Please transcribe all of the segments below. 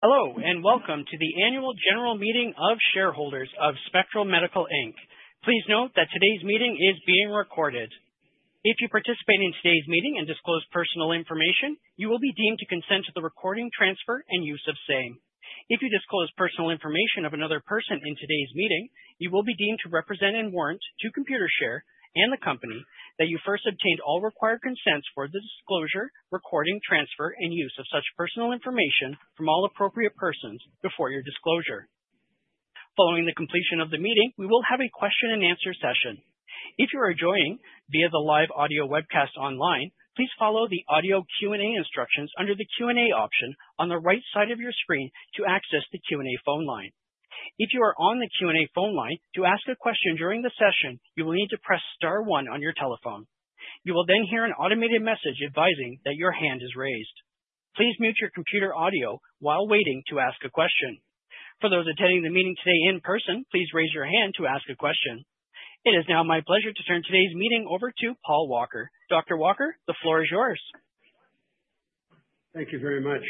Hello, and welcome to the annual general meeting of shareholders of Spectral Medical Inc. Please note that today's meeting is being recorded. If you participate in today's meeting and disclose personal information, you will be deemed to consent to the recording, transfer, and use of same. If you disclose personal information of another person in today's meeting, you will be deemed to represent and warrant to Computershare and the company that you first obtained all required consents for the disclosure, recording, transfer, and use of such personal information from all appropriate persons before your disclosure. Following the completion of the meeting, we will have a question-and-answer session. If you are joining via the live audio webcast online, please follow the audio Q&A instructions under the Q&A option on the right side of your screen to access the Q&A phone line. If you are on the Q&A phone line, to ask a question during the session, you will need to press star one on your telephone. You will then hear an automated message advising that your hand is raised. Please mute your computer audio while waiting to ask a question. For those attending the meeting today in person, please raise your hand to ask a question. It is now my pleasure to turn today's meeting over to Paul Walker. Dr. Walker, the floor is yours. Thank you very much.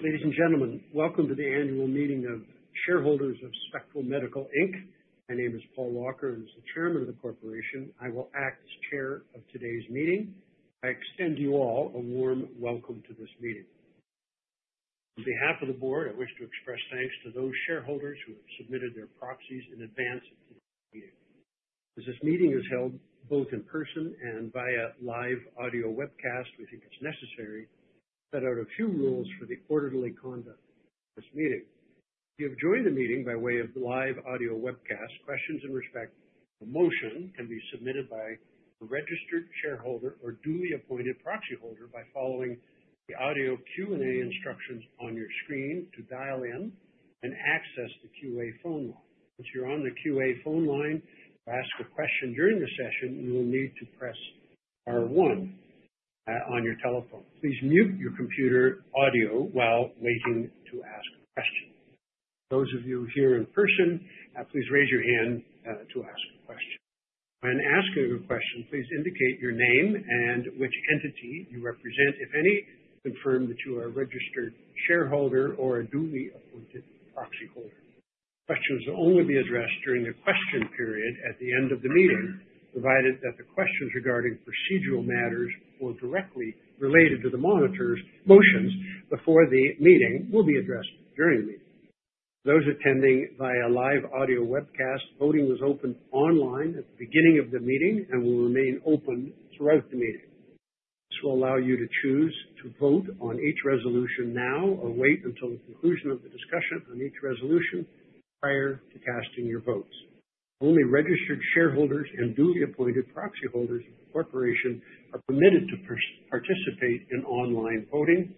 Ladies and gentlemen, welcome to the annual meeting of shareholders of Spectral Medical Inc. My name is Paul Walker, and as the Chairman of the corporation, I will act as chair of today's meeting. I extend you all a warm welcome to this meeting. On behalf of the board, I wish to express thanks to those shareholders who have submitted their proxies in advance of today's meeting. As this meeting is held both in person and via live audio webcast, we think it's necessary to set out a few rules for the orderly conduct of this meeting. If you have joined the meeting by way of the live audio webcast, questions in respect of motion can be submitted by a registered shareholder or duly appointed proxy holder by following the audio Q&A instructions on your screen to dial in and access the Q&A phone line. Once you're on the Q&A phone line, to ask a question during the session, you will need to press star one on your telephone. Please mute your computer audio while waiting to ask a question. Those of you here in person, please raise your hand to ask a question. When asking a question, please indicate your name and which entity you represent, if any, confirm that you are a registered shareholder or a duly appointed proxy holder. Questions will only be addressed during the question period at the end of the meeting, provided that the questions regarding procedural matters or directly related to the monitors motions before the meeting will be addressed during the meeting. Those attending via live audio webcast, voting was opened online at the beginning of the meeting and will remain open throughout the meeting. This will allow you to choose to vote on each resolution now or wait until the conclusion of the discussion on each resolution prior to casting your votes. Only registered shareholders and duly appointed proxy holders of the corporation are permitted to participate in online voting.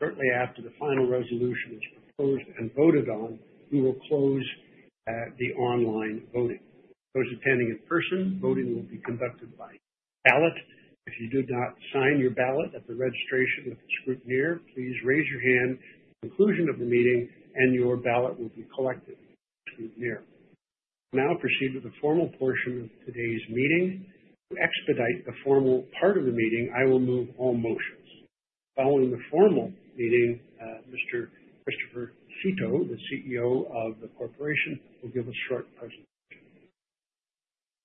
Shortly after the final resolution is proposed and voted on, we will close the online voting. For those attending in person, voting will be conducted by ballot. If you did not sign your ballot at the registration with the scrutineer, please raise your hand at the conclusion of the meeting and your ballot will be collected by the scrutineer. We'll now proceed to the formal portion of today's meeting. To expedite the formal part of the meeting, I will move all motions. Following the formal meeting, Mr. Christopher Seto, the CEO of the corporation, will give a short presentation.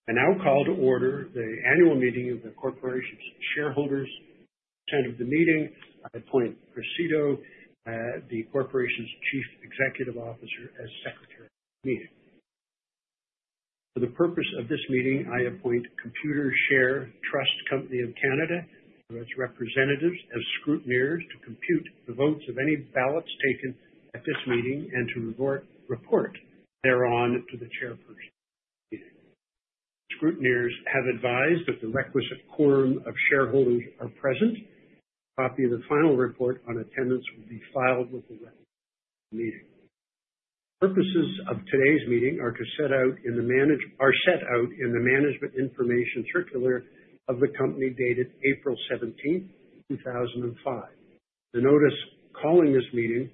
I now call to order the annual meeting of the corporation's shareholders. To attend to the meeting, I appoint Chris Seto, the corporation's Chief Executive Officer, as secretary of the meeting. For the purpose of this meeting, I appoint Computershare Trust Company of Canada and its representatives as scrutineers to compute the votes of any ballots taken at this meeting and to report thereon to the chairperson of the meeting. The scrutineers have advised that the requisite quorum of shareholders are present. A copy of the final report on attendance will be filed with the records of the meeting. The purposes of today's meeting are set out in the management information circular of the company dated April 17th, 2025. The notice calling this meeting,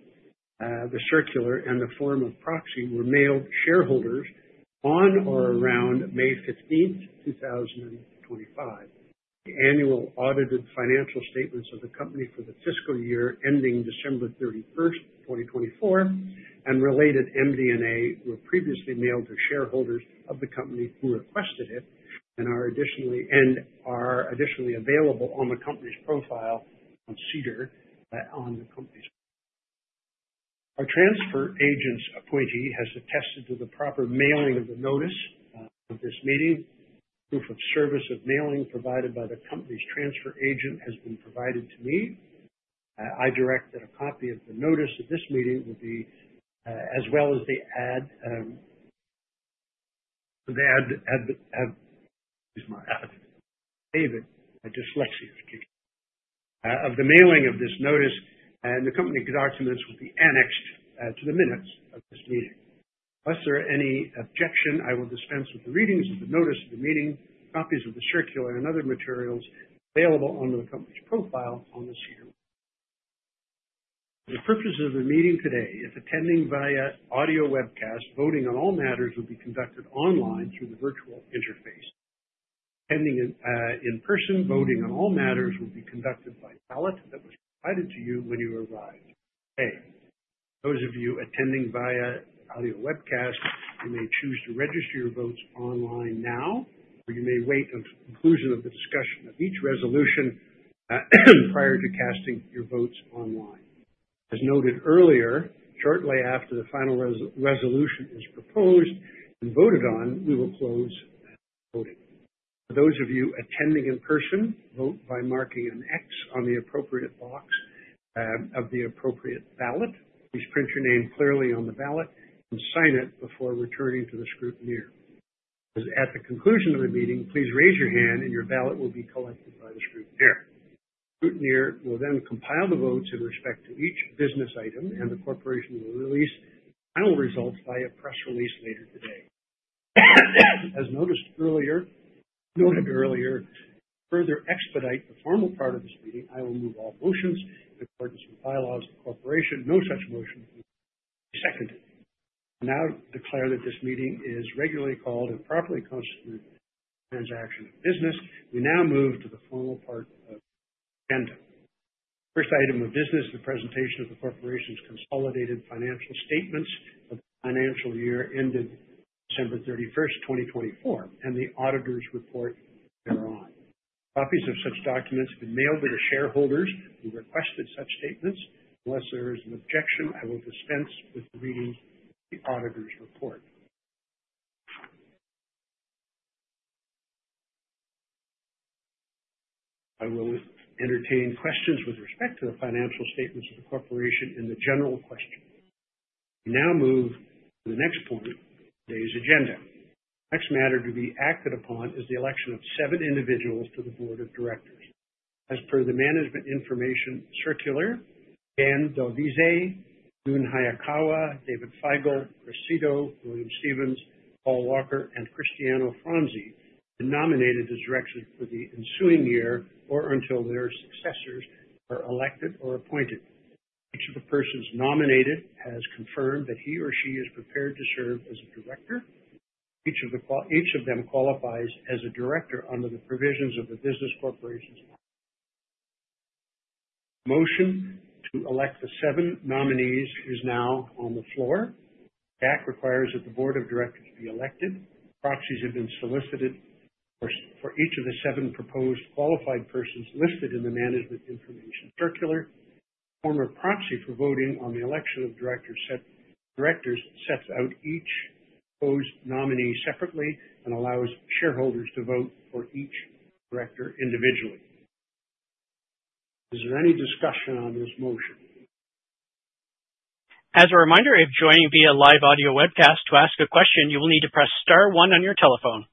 the circular, and the form of proxy were mailed to shareholders on or around May 15th, 2025. The annual audited financial statements of the company for the fiscal year ending December 31st, 2024, and related MD&A were previously mailed to shareholders of the company who requested it and are additionally available on the company's profile on SEDAR. Our transfer agent's appointee has attested to the proper mailing of the notice of this meeting. Proof of service of mailing provided by the company's transfer agent has been provided to me. I direct that a copy of the notice of this meeting, as well as. Excuse my apathy. My dyslexia is kicking in. Of the mailing of this notice and the company documents will be annexed to the minutes of this meeting. Unless there is any objection, I will dispense with the readings of the notice of the meeting. Copies of the circular and other materials available under the company's profile on SEDAR. For the purposes of the meeting today, if attending via audio webcast, voting on all matters will be conducted online through the virtual interface. Attending in person, voting on all matters will be conducted by ballot that was provided to you when you arrived today. Those of you attending via audio webcast, you may choose to register your votes online now, or you may wait until the conclusion of the discussion of each resolution prior to casting your votes online. As noted earlier, shortly after the final resolution is proposed and voted on, we will close voting. For those of you attending in person, vote by marking an X on the appropriate box of the appropriate ballot. Please print your name clearly on the ballot and sign it before returning to the scrutineer. At the conclusion of the meeting, please raise your hand and your ballot will be collected by the scrutineer. The scrutineer will then compile the votes in respect to each business item, and the corporation will release the final results via a press release later today. As noted earlier, to further expedite the formal part of this meeting, I will move all motions in accordance with the bylaws of the corporation. No such motion will be seconded. I will now declare that this meeting is regularly called and properly constituted to transact business. We now move to the formal part of the agenda. First item of business is the presentation of the corporation's consolidated financial statements for the financial year ended December 31st, 2024, and the auditor's report thereon. Copies of such documents have been mailed to the shareholders who requested such statements. Unless there is an objection, I will dispense with reading the auditor's report. I will entertain questions with respect to the financial statements of the corporation and the general question. We now move to the next point of today's agenda. The next matter to be acted upon is the election of seven individuals to the board of directors. As per the management information circular, Jan D'Alvise, Jun Hayakawa, David Feigal, Chris Seto, William Stevens, Paul Walker, and Cristiano Franzi have been nominated as directors for the ensuing year or until their successors are elected or appointed. Each of the persons nominated has confirmed that he or she is prepared to serve as a director. Each of them qualifies as a director under the provisions of the Business Corporations. Motion to elect the seven nominees is now on the floor. The Act requires that the board of directors be elected. Proxies have been solicited for each of the seven proposed qualified persons listed in the management information circular. The form of proxy for voting on the election of the directors sets out each proposed nominee separately and allows shareholders to vote for each director individually. Is there any discussion on this motion? As a reminder, if joining via live audio webcast, to ask a question, you will need to press star one on your telephone.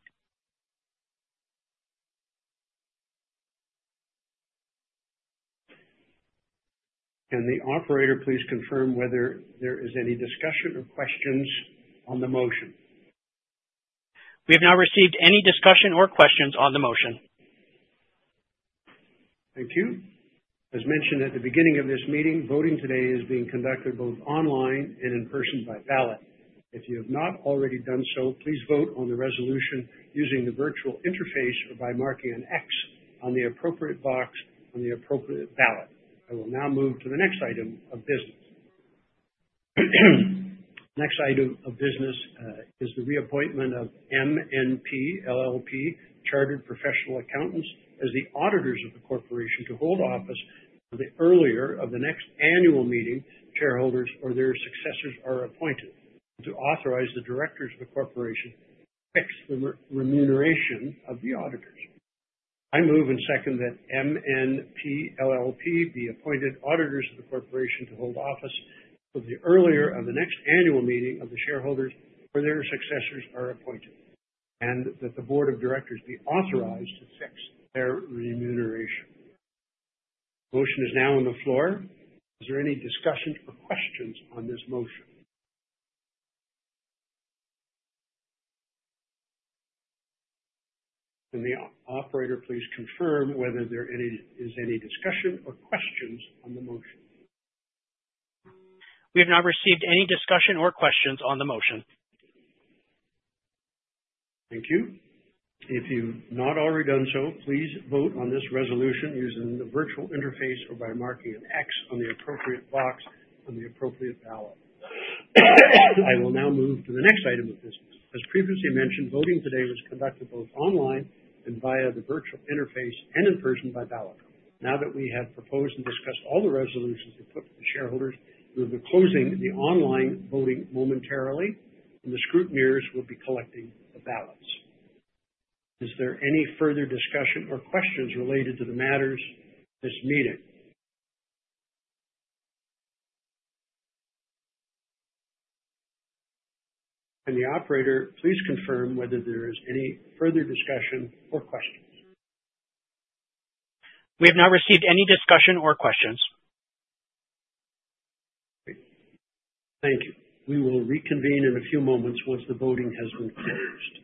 Can the operator please confirm whether there is any discussion or questions on the motion? We have not received any discussion or questions on the motion. Thank you. As mentioned at the beginning of this meeting, voting today is being conducted both online and in person by ballot. If you have not already done so, please vote on the resolution using the virtual interface or by marking an X on the appropriate box on the appropriate ballot. I will now move to the next item of business. The next item of business is the reappointment of MNP LLP, Chartered Professional Accountants as the auditors of the corporation to hold office for the earlier of the next annual meeting of shareholders or their successors are appointed, and to authorize the directors of the corporation to fix the remuneration of the auditors. I move and second that MNP LLP be appointed auditors of the corporation to hold office for the earlier of the next annual meeting of the shareholders or their successors are appointed, and that the board of directors be authorized to fix their remuneration. The motion is now on the floor. Is there any discussion or questions on this motion? Can the operator please confirm whether there is any discussion or questions on the motion? We have not received any discussion or questions on the motion. Thank you. If you've not already done so, please vote on this resolution using the virtual interface or by marking an X on the appropriate box on the appropriate ballot. I will now move to the next item of business. As previously mentioned, voting today is conducted both online and via the virtual interface and in person by ballot. Now that we have proposed and discussed all the resolutions put to the shareholders, we will be closing the online voting momentarily, and the scrutineers will be collecting the ballots. Is there any further discussion or questions related to the matters of this meeting? Can the operator please confirm whether there is any further discussion or questions? We have not received any discussion or questions. Great. Thank you. We will reconvene in a few moments once the voting has been finished.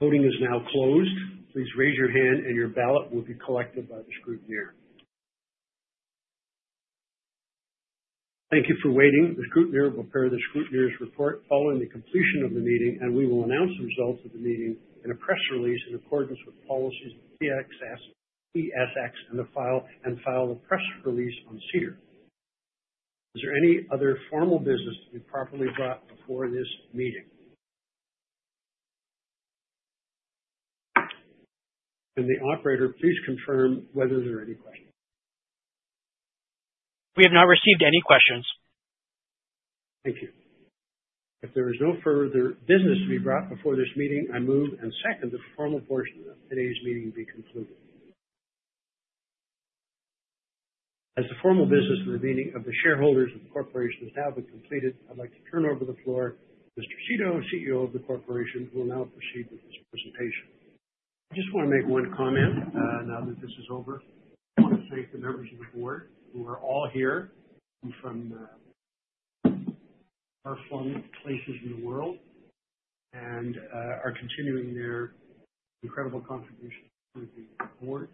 Voting is now closed. Please raise your hand and your ballot will be collected by the scrutineer. Thank you for waiting. The scrutineer will prepare the scrutineer's report following the completion of the meeting, and we will announce the results of the meeting in a press release in accordance with policies of the TSX and file the press release on SEDAR. Is there any other formal business to be properly brought before this meeting? Can the operator please confirm whether there are any questions? We have not received any questions. Thank you. If there is no further business to be brought before this meeting, I move and second that the formal portion of today's meeting be concluded. As the formal business of the meeting of the shareholders of the corporation has now been completed, I'd like to turn over the floor to Mr. Seto, CEO of the corporation, who will now proceed with his presentation. I just want to make one comment now that this is over. I want to thank the members of the board who are all here from far-flung places in the world and are continuing their incredible contributions to the board.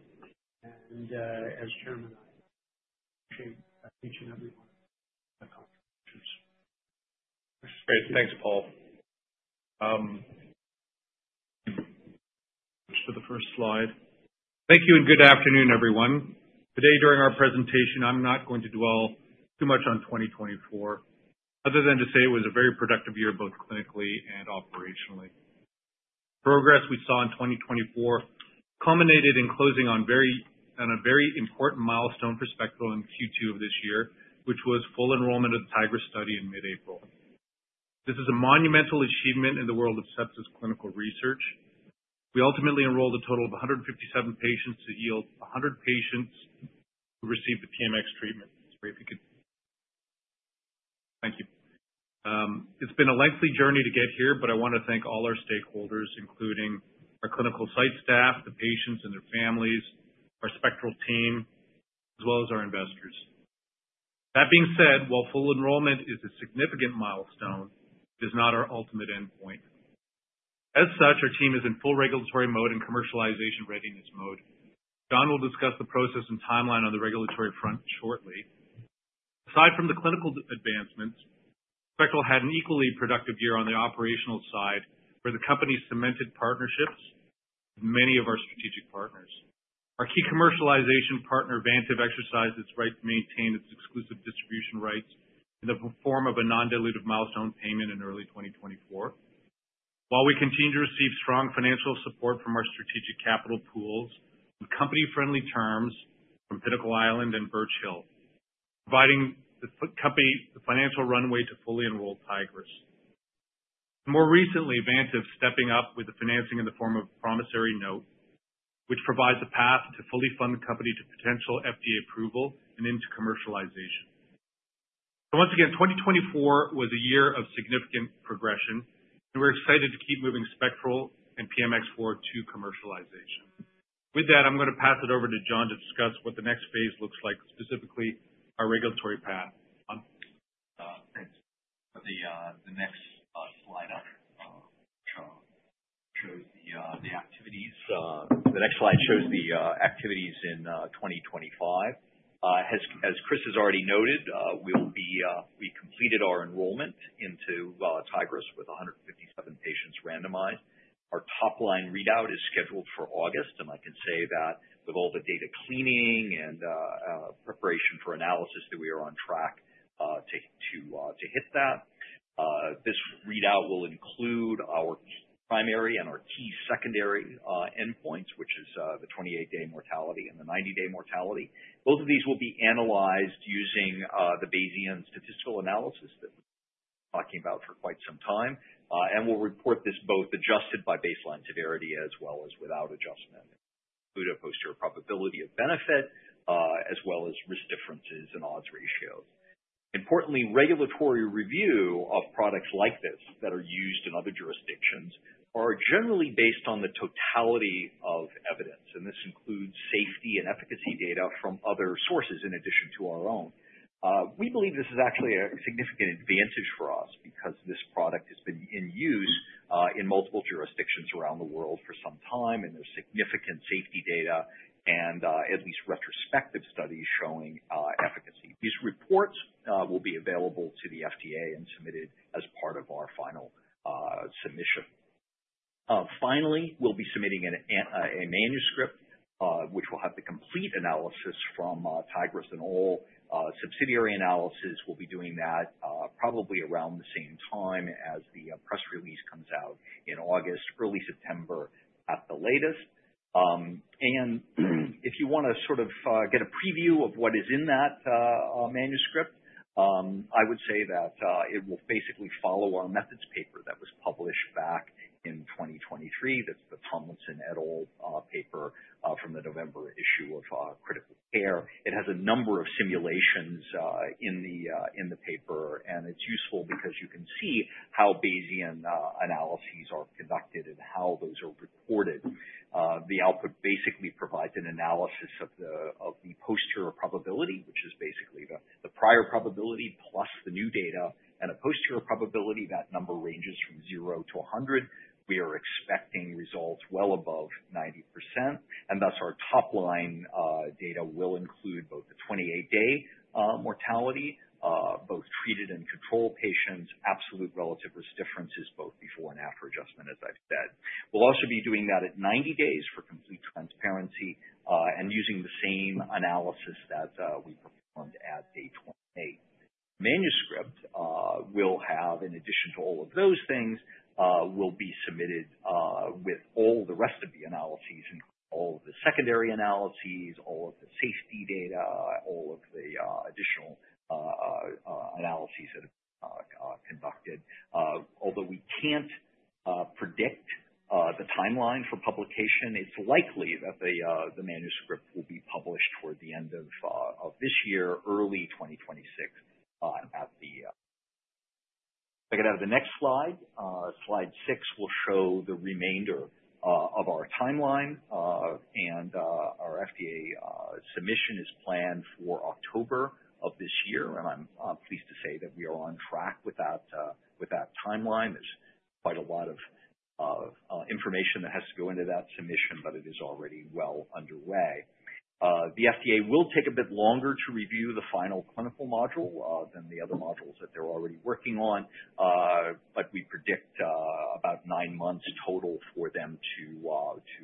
As Chairman, I appreciate each and every one of your contributions. Great. Thanks, Paul. Switch to the first slide. Thank you, good afternoon, everyone. Today during our presentation, I'm not going to dwell too much on 2024 other than to say it was a very productive year, both clinically and operationally. Progress we saw in 2024 culminated in closing on a very important milestone for Spectral in Q2 of this year, which was full enrollment of the TIGRIS study in mid-April. This is a monumental achievement in the world of sepsis clinical research. We ultimately enrolled a total of 157 patients, that yield 100 patients who received the PMX treatment. Thank you. It's been a lengthy journey to get here, but I want to thank all our stakeholders, including our clinical site staff, the patients and their families, our Spectral team, as well as our investors. That being said, while full enrollment is a significant milestone, it is not our ultimate endpoint. As such, our team is in full regulatory mode and commercialization readiness mode. John will discuss the process and timeline on the regulatory front shortly. Aside from the clinical advancements, Spectral had an equally productive year on the operational side, where the company cemented partnerships with many of our strategic partners. Our key commercialization partner, Vantive, exercised its right to maintain its exclusive distribution rights in the form of a non-dilutive milestone payment in early 2024. While we continue to receive strong financial support from our strategic capital pools on company-friendly terms from Pinnacle Island and Birch Hill, providing the company the financial runway to fully enroll TIGRIS. More recently, Vantive stepping up with the financing in the form of a promissory note, which provides a path to fully fund the company to potential FDA approval and into commercialization. Once again, 2024 was a year of significant progression, and we're excited to keep moving Spectral and PMX to commercialization. With that, I'm going to pass it over to John to discuss what the next phase looks like, specifically our regulatory path. John? Thanks. The next slide shows the activities in 2025. As Chris has already noted, we completed our enrollment into TIGRIS with 157 patients randomized. Our top-line readout is scheduled for August, and I can say that with all the data cleaning and preparation for analysis, that we are on track to hit that. This readout will include our primary and our key secondary endpoints, which is the 28-day mortality and the 90-day mortality. Both of these will be analyzed using the Bayesian statistical analysis that we've been talking about for quite some time, and we'll report this both adjusted by baseline severity as well as without adjustment. It will include a posterior probability of benefit, as well as risk differences and odds ratios. Importantly, regulatory review of products like this that are used in other jurisdictions are generally based on the totality of evidence. This includes safety and efficacy data from other sources in addition to our own. We believe this is actually a significant advantage for us because this product has been in use in multiple jurisdictions around the world for some time, and there's significant safety data and at least retrospective studies showing efficacy. These reports will be available to the FDA and submitted as part of our final submission. We'll be submitting a manuscript, which will have the complete analysis from TIGRIS and all subsidiary analysis. We'll be doing that probably around the same time as the press release comes out in August, early September at the latest. If you want to get a preview of what is in that manuscript, I would say that it will basically follow our methods paper that was published back in 2023. That's the Tomlinson et al. paper from the November issue of Critical Care. It has a number of simulations in the paper, and it's useful because you can see how Bayesian analyses are conducted and how those are reported. The output basically provides an analysis of the posterior probability, which is basically the prior probability plus the new data. A posterior probability, that number ranges from zero to 100. We are expecting results well above 90%. Our top-line data will include both the 28-day mortality, both treated and control patients, absolute relative risk differences both before and after adjustment, as I've said. We'll also be doing that at 90 days for complete transparency, using the same analysis that we performed at day 28. Manuscript, in addition to all of those things, will be submitted with all the rest of the analyses, including all of the secondary analyses, all of the safety data, all of the additional analyses that have been conducted. Although we can't predict the timeline for publication, it's likely that the manuscript will be published toward the end of this year, early 2026. If I could have the next slide. Slide six will show the remainder of our timeline. Our FDA submission is planned for October of this year, and I'm pleased to say that we are on track with that timeline. There's quite a lot of information that has to go into that submission, but it is already well underway. The FDA will take a bit longer to review the final clinical module than the other modules that they're already working on. We predict about nine months total for them to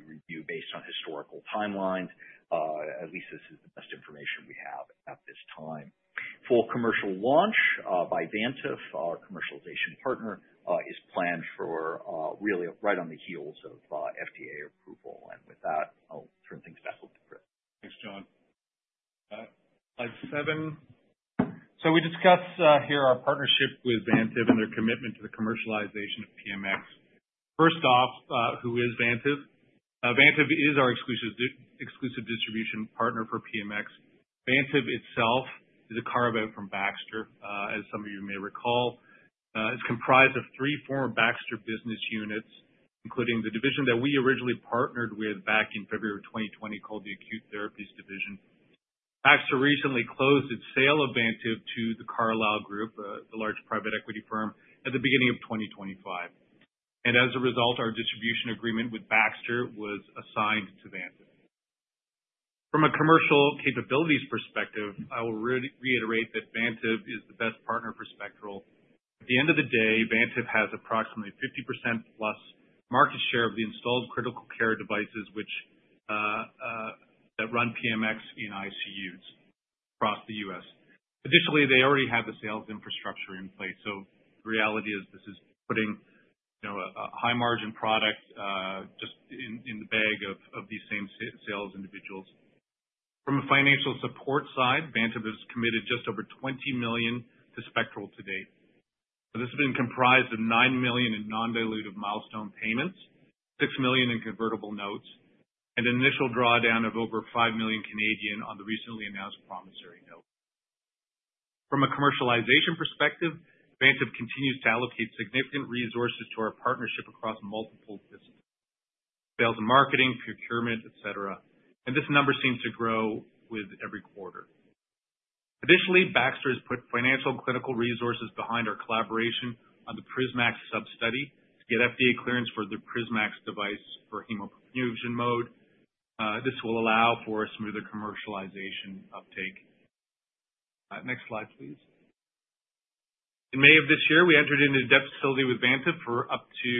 review based on historical timelines. At least this is the best information we have at this time. Full commercial launch by Vantive, our commercialization partner, is planned for really right on the heels of FDA approval. With that, I'll turn things back over to Chris. Thanks, John. Slide seven. We discuss here our partnership with Vantive and their commitment to the commercialization of PMX. First off, who is Vantive? Vantive is our exclusive distribution partner for PMX. Vantive itself is a carve-out from Baxter, as some of you may recall. It's comprised of three former Baxter business units, including the division that we originally partnered with back in February of 2020, called the Acute Therapies division. Baxter recently closed its sale of Vantive to the Carlyle Group, the large private equity firm, at the beginning of 2025. As a result, our distribution agreement with Baxter was assigned to Vantive. From a commercial capabilities perspective, I will reiterate that Vantive is the best partner for Spectral. At the end of the day, Vantive has approximately 50%+ market share of the installed critical care devices that run PMX in ICUs across the U.S. They already have the sales infrastructure in place, the reality is this is putting a high-margin product just in the bag of these same sales individuals. From a financial support side, Vantive has committed just over 20 million to Spectral to date. This has been comprised of 9 million in non-dilutive milestone payments, 6 million in convertible notes, and an initial drawdown of over 5 million on the recently announced promissory note. From a commercialization perspective, Vantive continues to allocate significant resources to our partnership across multiple disciplines, sales and marketing, procurement, etc. This number seems to grow with every quarter. Baxter has put financial and clinical resources behind our collaboration on the PrisMax sub-study to get FDA clearance for the PrisMax device for hemoperfusion mode. This will allow for smoother commercialization uptake. Next slide, please. In May of this year, we entered into a debt facility with Vantive for up to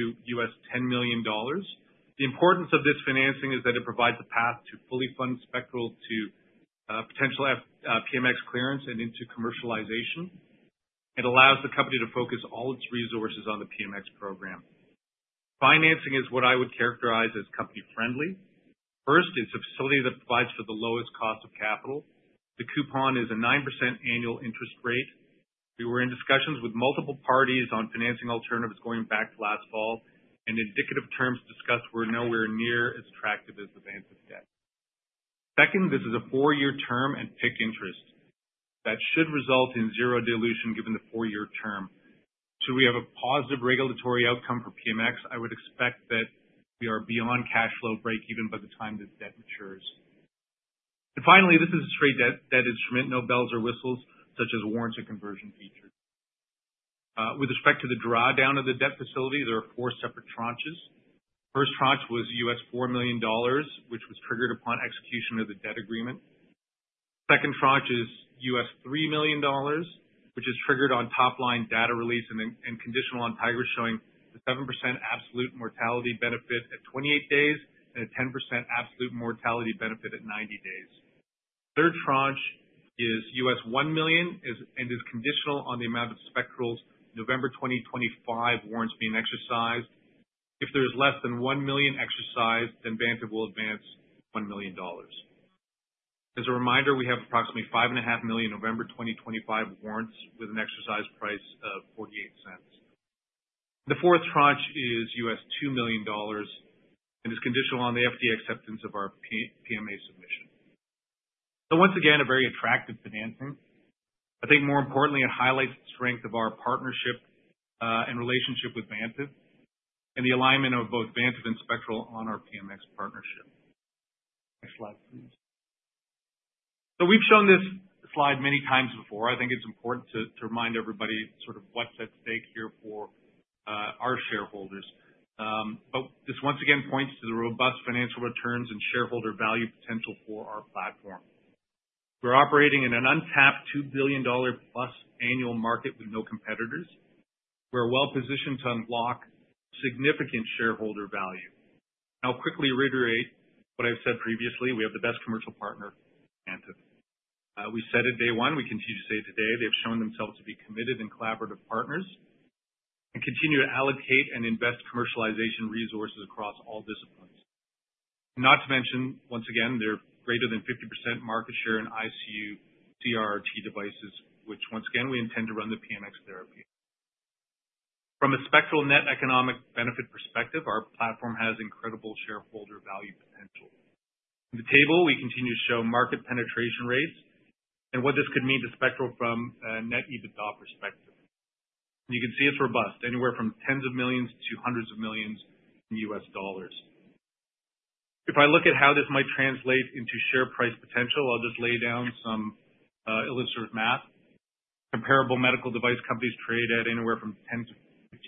$10 million. The importance of this financing is that it provides a path to fully fund Spectral to potential PMX clearance and into commercialization. It allows the company to focus all its resources on the PMX program. Financing is what I would characterize as company-friendly. First, it's a facility that applies for the lowest cost of capital. The coupon is a 9% annual interest rate. We were in discussions with multiple parties on financing alternatives going back to last fall, and indicative terms discussed were nowhere near as attractive as Vantive's debt. Second, this is a four-year term and PIK interest that should result in zero dilution given the four-year term. Should we have a positive regulatory outcome for PMX, I would expect that we are beyond cash flow breakeven by the time this debt matures. Finally, this is a straight debt instrument, no bells or whistles such as warrants or conversion features. With respect to the drawdown of the debt facility, there are four separate tranches. First tranche was $4 million, which was triggered upon execution of the debt agreement. Second tranche is $3 million, which is triggered on top-line data release and conditional on TIGRIS showing the 7% absolute mortality benefit at 28 days and a 10% absolute mortality benefit at 90 days. Third tranche is $1 million and is conditional on the amount of Spectral's November 2025 warrants being exercised. If there's less than $1 million exercised, then Vantive will advance $1 million. As a reminder, we have approximately 5.5 million November 2025 warrants with an exercise price of 0.48. The fourth tranche is $2 million and is conditional on the FDA acceptance of our PMA submission. Once again, a very attractive financing. I think more importantly, it highlights the strength of our partnership and relationship with Vantive and the alignment of both Vantive and Spectral on our PMX partnership. Next slide, please. We've shown this slide many times before. I think it's important to remind everybody sort of what's at stake here for our shareholders. This once again points to the robust financial returns and shareholder value potential for our platform. We're operating in an untapped 2 billion dollar+ annual market with no competitors. We're well-positioned to unlock significant shareholder value. I'll quickly reiterate what I've said previously. We have the best commercial partner, Vantive. We said it day one, we continue to say it today. They've shown themselves to be committed and collaborative partners and continue to allocate and invest commercialization resources across all disciplines. Not to mention, once again, their greater than 50% market share in ICU CRRT devices, which once again, we intend to run the PMX therapy. From a Spectral net economic benefit perspective, our platform has incredible shareholder value potential. In the table, we continue to show market penetration rates and what this could mean to Spectral from a net EBITDA perspective. You can see it's robust, anywhere from tens of millions to hundreds of millions USD. If I look at how this might translate into share price potential, I'll just lay down some illustrative math. Comparable medical device companies trade at anywhere from 10x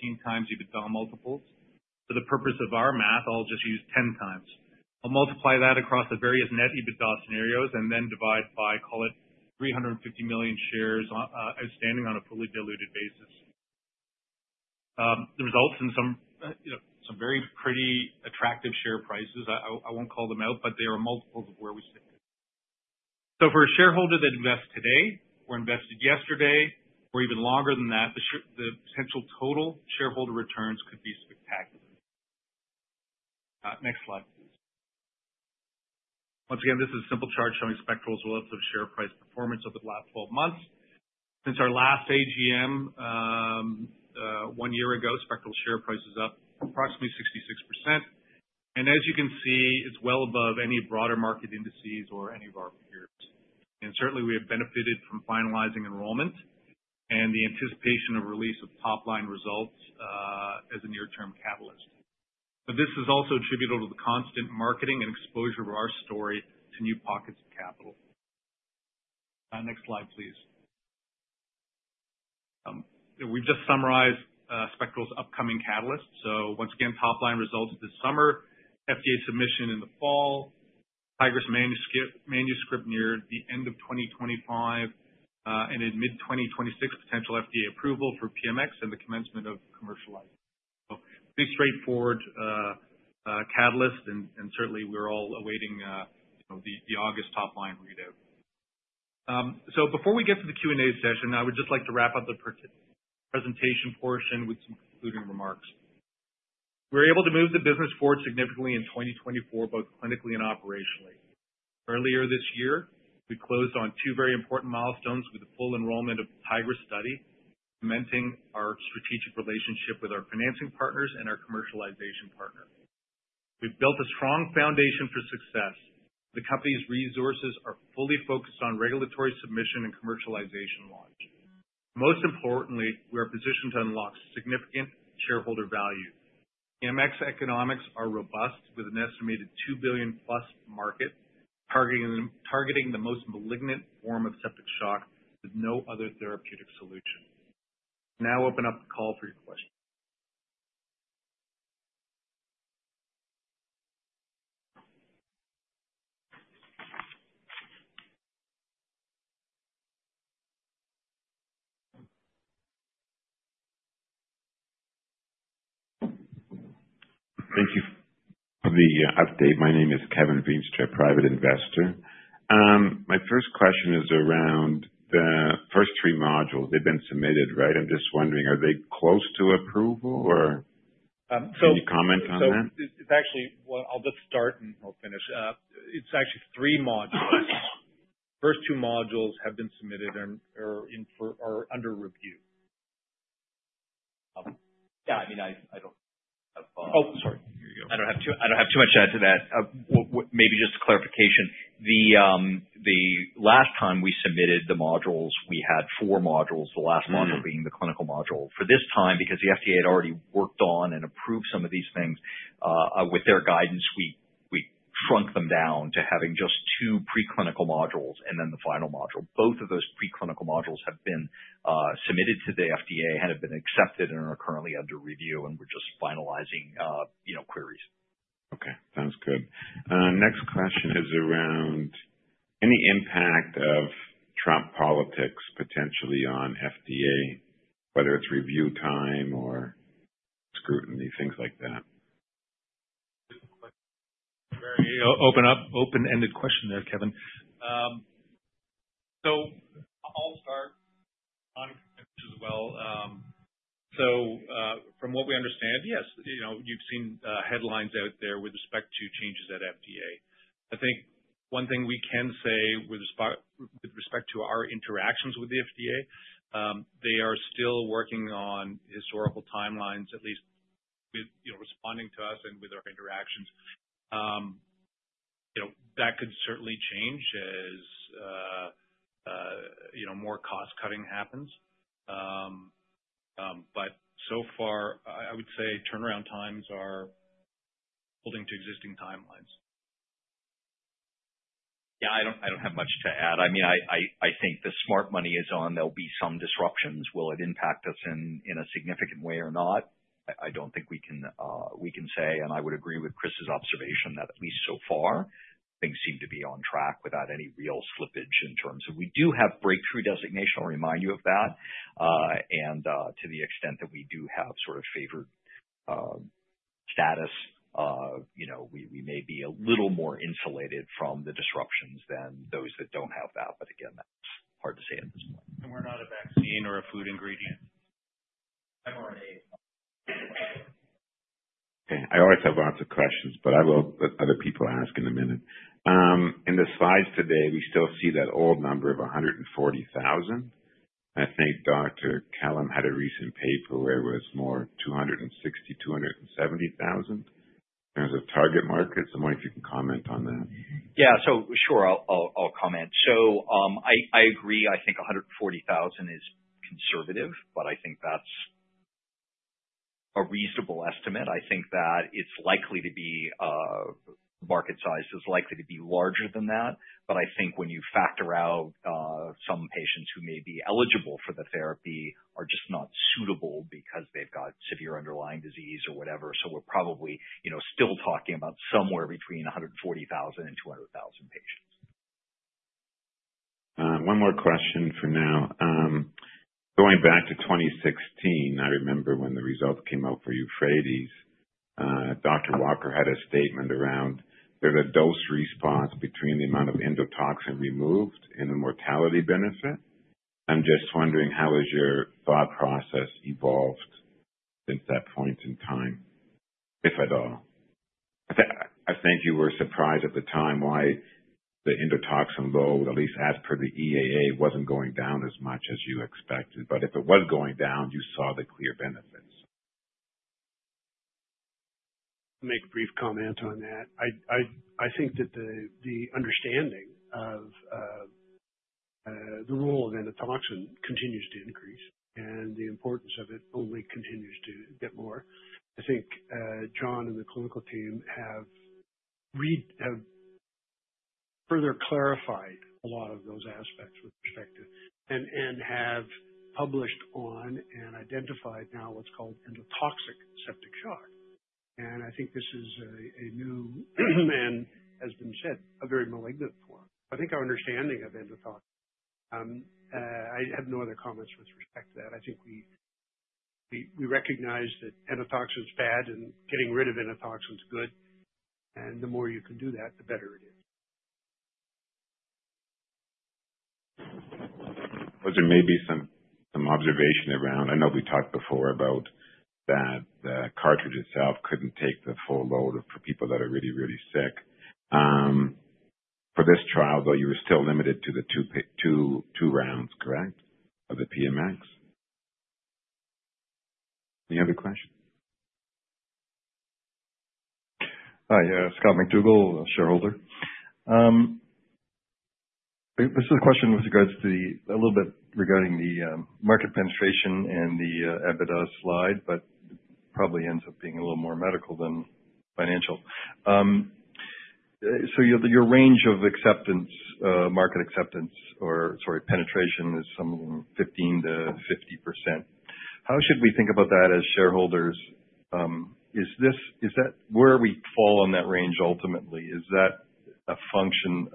to 15x EBITDA multiples. For the purpose of our math, I'll just use 10x. I'll multiply that across the various net EBITDA scenarios and then divide by, call it 350 million shares outstanding on a fully diluted basis. It results in some very pretty attractive share prices. I won't call them out, but they are multiples of where we sit. For a shareholder that invests today or invested yesterday or even longer than that, the potential total shareholder returns could be spectacular. Next slide, please. Once again, this is a simple chart showing Spectral's relative share price performance over the last 12 months. Since our last AGM one year ago, Spectral's share price is up approximately 66%. As you can see, it's well above any broader market indices or any of our peers. Certainly, we have benefited from finalizing enrollment and the anticipation of release of top-line results as a near-term catalyst. This is also attributable to the constant marketing and exposure of our story to new pockets of capital. Next slide, please. We've just summarized Spectral's upcoming catalysts. Once again, top-line results this summer, FDA submission in the fall, TIGRIS manuscript near the end of 2025, and in mid-2026, potential FDA approval for PMX and the commencement of commercializing. Pretty straightforward catalyst, and certainly, we're all awaiting the August top-line readout. Before we get to the Q&A session, I would just like to wrap up the presentation portion with some concluding remarks. We were able to move the business forward significantly in 2024, both clinically and operationally. Earlier this year, we closed on two very important milestones with the full enrollment of TIGRIS study, cementing our strategic relationship with our financing partners and our commercialization partner. We've built a strong foundation for success. The company's resources are fully focused on regulatory submission and commercialization launch. Most importantly, we are positioned to unlock significant shareholder value. PMX economics are robust, with an estimated 2 billion+ market targeting the most malignant form of septic shock with no other therapeutic solution. Open up the call for your questions. Thank you for the update. My name is [Kevin Binnstre], a private investor. My first question is around the first three modules. They've been submitted, right? I'm just wondering, are they close to approval or any comment on that? It's actually three modules. First two modules have been submitted and are under review. Yeah, I mean, I don't have- Oh, sorry. I don't have too much to add to that. Maybe just clarification. The last time we submitted the modules, we had four modules, the last module being the clinical module. For this time, because the FDA had already worked on and approved some of these things, with their guidance, we shrunk them down to having just two pre-clinical modules and then the final module. Both of those pre-clinical modules have been submitted to the FDA and have been accepted and are currently under review, and we're just finalizing queries. Okay, sounds good. Next question is around any impact of Trump politics potentially on FDA, whether it's review time or scrutiny, things like that. Very open-ended question there, Kevin. I'll start, John, if you could as well. From what we understand, yes, you've seen headlines out there with respect to changes at FDA. I think one thing we can say with respect to our interactions with the FDA, they are still working on historical timelines, at least with responding to us and with our interactions. That could certainly change as more cost cutting happens. So far, I would say turnaround times are holding to existing timelines. Yeah, I don't have much to add. I think the smart money is on there'll be some disruptions. Will it impact us in a significant way or not? I don't think we can say. I would agree with Chris's observation that at least so far, things seem to be on track without any real slippage. We do have breakthrough designation, I'll remind you of that. To the extent that we do have sort of favored status, we may be a little more insulated from the disruptions than those that don't have that. Again, that's hard to say at this point. We're not a vaccine or a food ingredient. Okay. I always have lots of questions, but I will let other people ask in a minute. In the slides today, we still see that old number of 140,000. I think Dr. Kellum had a recent paper where it was more 260,000, 270,000 as a target market. I'm wondering if you can comment on that. Yeah. Sure, I'll comment. I agree. I think 140,000 is conservative, but I think that's a reasonable estimate. I think that market size is likely to be larger than that. I think when you factor out some patients who may be eligible for the therapy are just not suitable because they've got severe underlying disease or whatever. We're probably still talking about somewhere between 140,000 and 200,000 patients. One more question for now. Going back to 2016, I remember when the results came out for EUPHRATES. Dr. Walker had a statement around there's a dose response between the amount of endotoxin removed and the mortality benefit. I'm just wondering, how has your thought process evolved since that point in time, if at all? I think you were surprised at the time why the endotoxin load, at least as per the EAA, wasn't going down as much as you expected. If it was going down, you saw the clear benefits. Make a brief comment on that. I think that the understanding of the role of endotoxin continues to increase, and the importance of it only continues to get more. I think John and the clinical team have further clarified a lot of those aspects with respect to, and have published on and identified now what's called endotoxic septic shock. I think this is a new and, as been said, a very malignant form. I think our understanding of endotoxin, I have no other comments with respect to that. I think we recognize that endotoxin's bad and getting rid of endotoxin is good, and the more you can do that, the better it is. Was there maybe some observation around, I know we talked before about that the cartridge itself couldn't take the full load for people that are really, really sick? For this trial, though, you were still limited to the two rounds, correct, of the PMX? Any other question? Hi, [Scott McDougall], a shareholder. This is a question with regards to a little bit regarding the market penetration and the EBITDA slide, but probably ends up being a little more medical than financial. Your range of market acceptance or, sorry, penetration is somewhere between 15%-50%. How should we think about that as shareholders? Is that where we fall on that range ultimately? It's a function,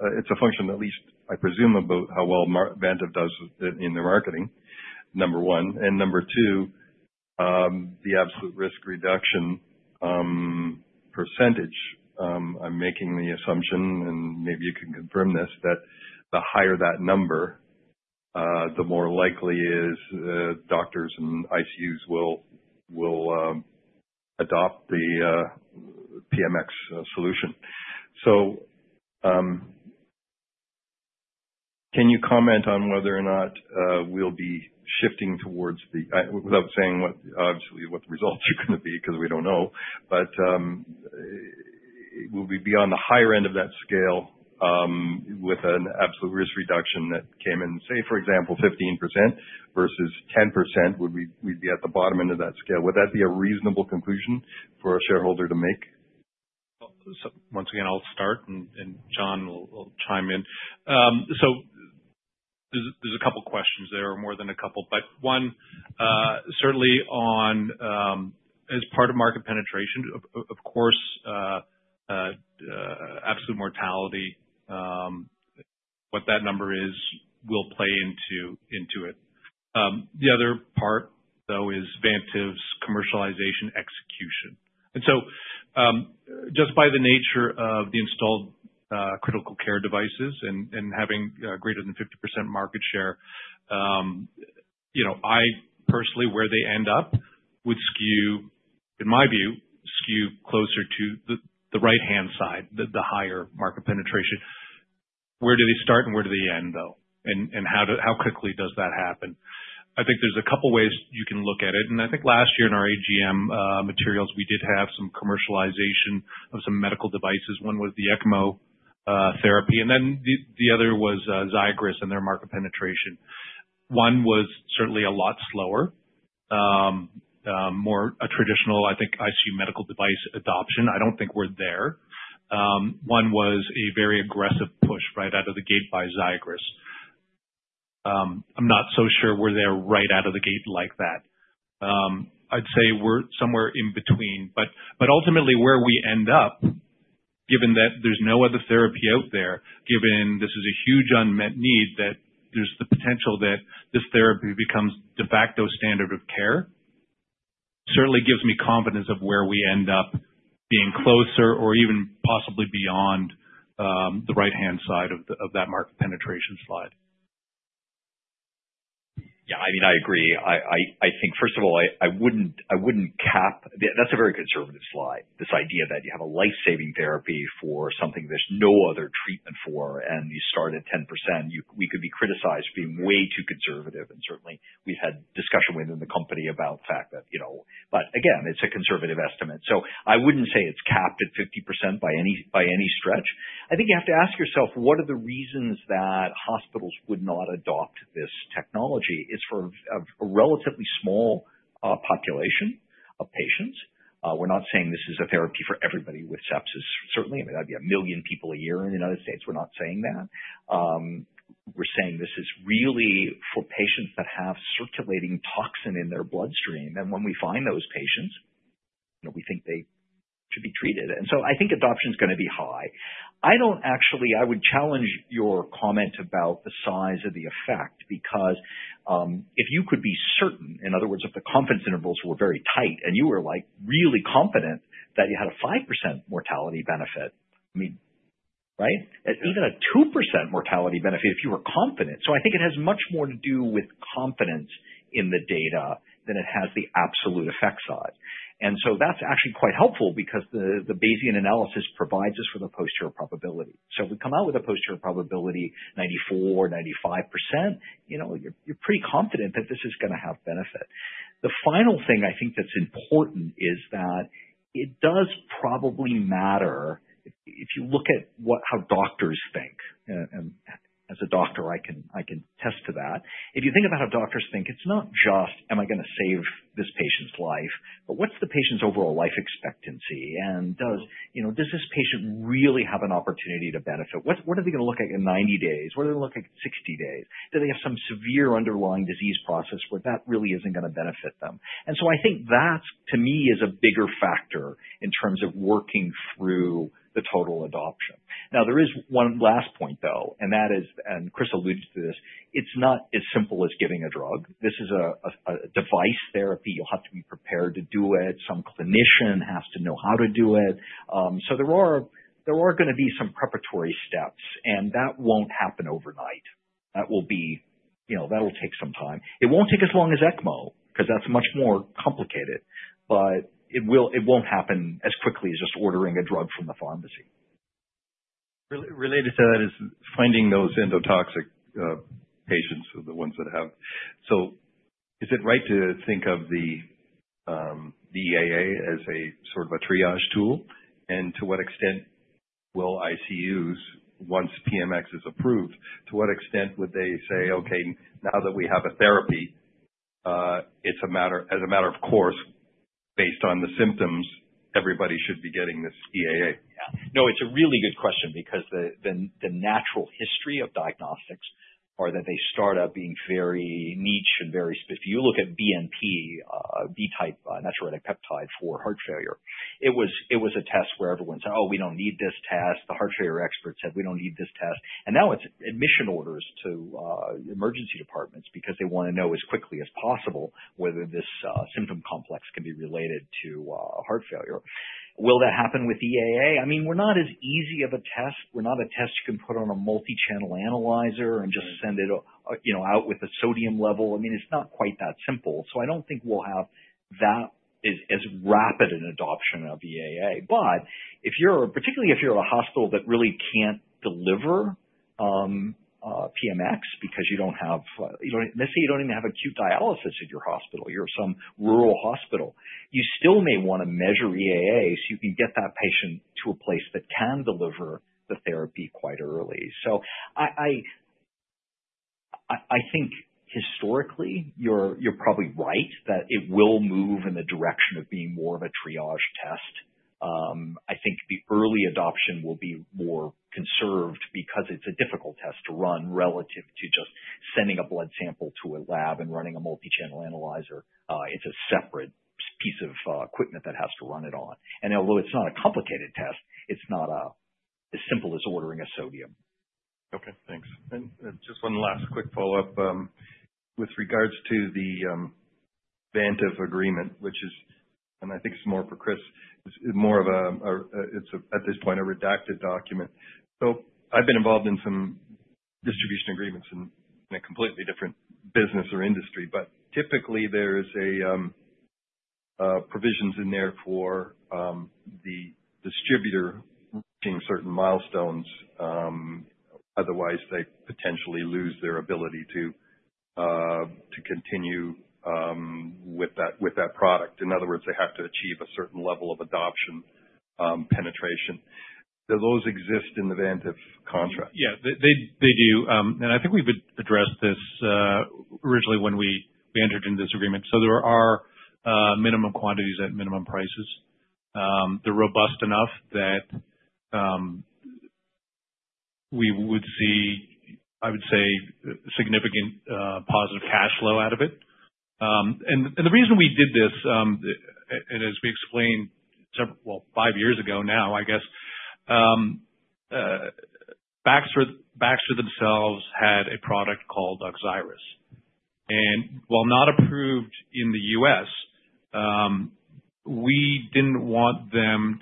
at least I presume, about how well Vantive does in the marketing, number one. And number two, the absolute risk reduction percentage. I'm making the assumption, and maybe you can confirm this, that the higher that number, the more likely it is doctors and ICUs will adopt the PMX solution. Can you comment on whether or not we'll be shifting towards without saying, obviously, what the results are going to be because we don't know. Will we be on the higher end of that scale with an absolute risk reduction that came in, say, for example, 15% versus 10%, we'd be at the bottom end of that scale. Would that be a reasonable conclusion for a shareholder to make? Once again, I'll start, and John will chime in. There's a couple questions there, or more than a couple. One, certainly as part of market penetration, of course absolute mortality. What that number is will play into it. The other part though is Vantive's commercialization execution. Just by the nature of the installed critical care devices and having greater than 50% market share, I personally, where they end up would, in my view, skew closer to the right-hand side, the higher market penetration. Where do they start and where do they end, though? How quickly does that happen? I think there's a couple ways you can look at it. I think last year in our AGM materials, we did have some commercialization of some medical devices. One was the ECMO therapy, and then the other was Xigris and their market penetration. One was certainly a lot slower. More a traditional, I think, ICU medical device adoption. I don't think we're there. One was a very aggressive push right out of the gate by Xigris. I'm not so sure we're there right out of the gate like that. I'd say we're somewhere in between. Ultimately, where we end up, given that there's no other therapy out there, given this is a huge unmet need, that there's the potential that this therapy becomes de facto standard of care, certainly gives me confidence of where we end up being closer or even possibly beyond the right-hand side of that market penetration slide. Yeah. I agree. I think, first of all, I wouldn't cap, that's a very conservative slide. This idea that you have a life-saving therapy for something there's no other treatment for, and you start at 10%, we could be criticized for being way too conservative, and certainly we've had discussion within the company about the fact that, again, it's a conservative estimate. I wouldn't say it's capped at 50% by any stretch. I think you have to ask yourself, what are the reasons that hospitals would not adopt this technology? It's for a relatively small population of patients. We're not saying this is a therapy for everybody with sepsis. Certainly, I mean, that'd be 1 million people a year in the United States. We're not saying that. We're saying this is really for patients that have circulating toxin in their bloodstream. When we find those patients, we think they should be treated. I think adoption is going to be high. I would challenge your comment about the size of the effect, because, if you could be certain, in other words, if the confidence intervals were very tight and you were really confident that you had a 5% mortality benefit, right? Even a 2% mortality benefit if you were confident. I think it has much more to do with confidence in the data than it has the absolute effect size. That's actually quite helpful because the Bayesian analysis provides us with a posterior probability. If we come out with a posterior probability, 94% or 95%, you're pretty confident that this is going to have benefit. The final thing I think that's important is that it does probably matter if you look at how doctors think. As a doctor, I can attest to that. If you think about how doctors think, it's not just, am I going to save this patient's life? What's the patient's overall life expectancy? Does this patient really have an opportunity to benefit? What are they going to look like in 90 days? What do they look like in 60 days? Do they have some severe underlying disease process where that really isn't going to benefit them? I think that, to me, is a bigger factor in terms of working through the total adoption. Now, there is one last point, though, and Chris alluded to this. It's not as simple as giving a drug. This is a device therapy. You'll have to be prepared to do it. Some clinician has to know how to do it. There are going to be some preparatory steps, and that won't happen overnight. That will take some time. It won't take as long as ECMO, because that's much more complicated, but it won't happen as quickly as just ordering a drug from the pharmacy. Related to that is finding those endotoxic patients or the ones that have. Is it right to think of the EAA as a sort of a triage tool? To what extent will ICUs, once PMX is approved, to what extent would they say, "Okay, now that we have a therapy, as a matter of course, based on the symptoms, everybody should be getting this EAA." It's a really good question because the natural history of diagnostics are that they start out being very niche and very specific. If you look at BNP, B-type natriuretic peptide for heart failure, it was a test where everyone said, "Oh, we don't need this test." The heart failure experts said, "We don't need this test." Now it's admission orders to emergency departments because they want to know as quickly as possible whether this symptom complex can be related to heart failure. Will that happen with EAA? I mean, we're not as easy of a test. We're not a test you can put on a multi-channel analyzer and just send it out with a sodium level. I mean, it's not quite that simple. I don't think we'll have that as rapid an adoption of EAA. Particularly if you're a hospital that really can't deliver PMX because let's say you don't even have acute dialysis at your hospital. You're some rural hospital. You still may want to measure EAA, so you can get that patient to a place that can deliver the therapy quite early. I think historically, you're probably right that it will move in the direction of being more of a triage test. I think the early adoption will be more conserved because it's a difficult test to run relative to just sending a blood sample to a lab and running a multi-channel analyzer. It's a separate piece of equipment that has to run it all. Although it's not a complicated test, it's not as simple as ordering a sodium. Okay, thanks. Just one last quick follow-up. With regards to the Vantive agreement, which is, and I think it's more for Chris, it's more of a, at this point, a redacted document. I've been involved in some distribution agreements in a completely different business or industry, but typically there's provisions in there for the distributor reaching certain milestones, otherwise they potentially lose their ability to continue with that product. In other words, they have to achieve a certain level of adoption penetration. Do those exist in the Vantive contract? Yeah, they do. I think we've addressed this originally when we entered into this agreement. There are minimum quantities at minimum prices. They're robust enough that we would see, I would say, significant positive cash flow out of it. The reason we did this, and as we explained several, well, five years ago now, I guess, Baxter themselves had a product called oXiris, and while not approved in the U.S., we didn't want them.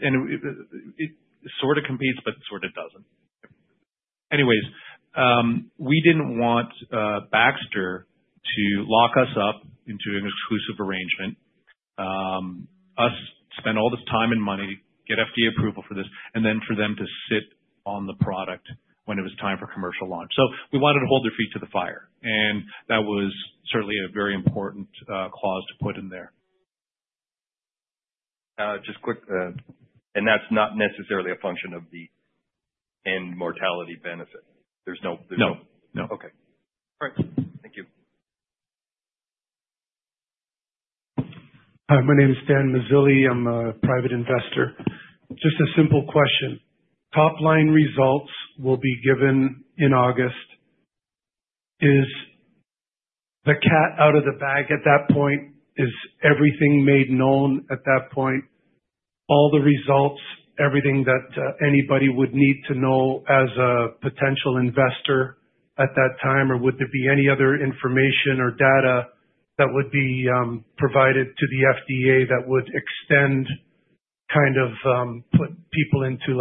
It sort of competes, but it sort of doesn't. Anyways, we didn't want Baxter to lock us up into an exclusive arrangement. Us spend all this time and money, get FDA approval for this, and then for them to sit on the product when it was time for commercial launch. We wanted to hold their feet to the fire, and that was certainly a very important clause to put in there. Just quick. That's not necessarily a function of the end mortality benefit. No. Okay. All right. Thank you. Hi, my name is [Dan Mazzilli]. I am a private investor. Just a simple question. Top-line results will be given in August. Is the cat out of the bag at that point? Is everything made known at that point? All the results, everything that anybody would need to know as a potential investor at that time, or would there be any other information or data that would be provided to the FDA that would extend, kind of put people into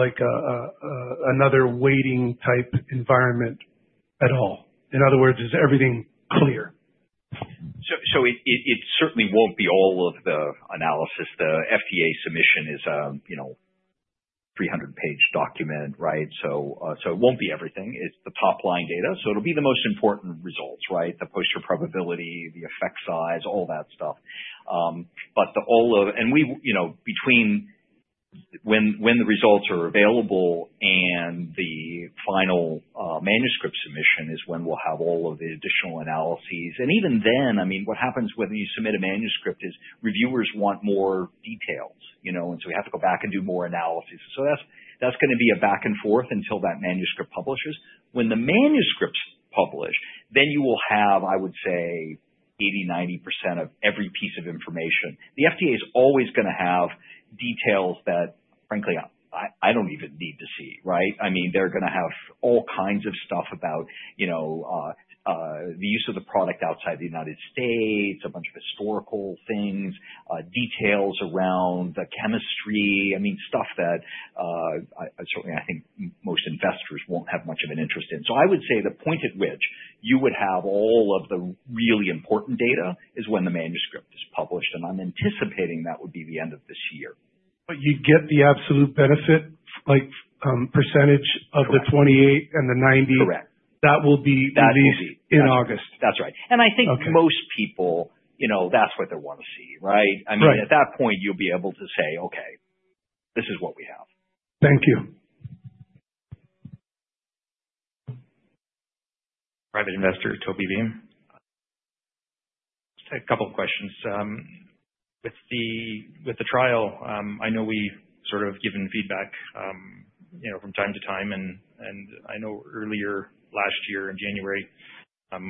another waiting type environment at all? In other words, is everything clear? It certainly won't be all of the analysis. The FDA submission is a 300-page document, right? It won't be everything. It's the top-line data, it'll be the most important results, right? The posterior probability, the effect size, all that stuff. Between when the results are available and the final manuscript submission is when we'll have all of the additional analyses. Even then, what happens when you submit a manuscript is reviewers want more details. We have to go back and do more analysis. That's going to be a back and forth until that manuscript publishes. When the manuscript's published, you will have, I would say, 80%, 90% of every piece of information. The FDA is always going to have details that, frankly, I don't even need to see, right? They're going to have all kinds of stuff about the use of the product outside the United States, a bunch of historical things, details around the chemistry. Stuff that certainly I think most investors won't have much of an interest in. I would say the point at which you would have all of the really important data is when the manuscript is published, and I'm anticipating that would be the end of this year. You'd get the absolute benefit, like percentage of the 28 and the 90- Correct. That will be released in August. That's right. Okay. I think most people, that's what they want to see, right? Right. At that point, you'll be able to say, "Okay, this is what we have." Thank you. Private investor, [Toby Beam]. Just had a couple of questions. With the trial, I know we've sort of given feedback from time to time, and I know earlier last year in January,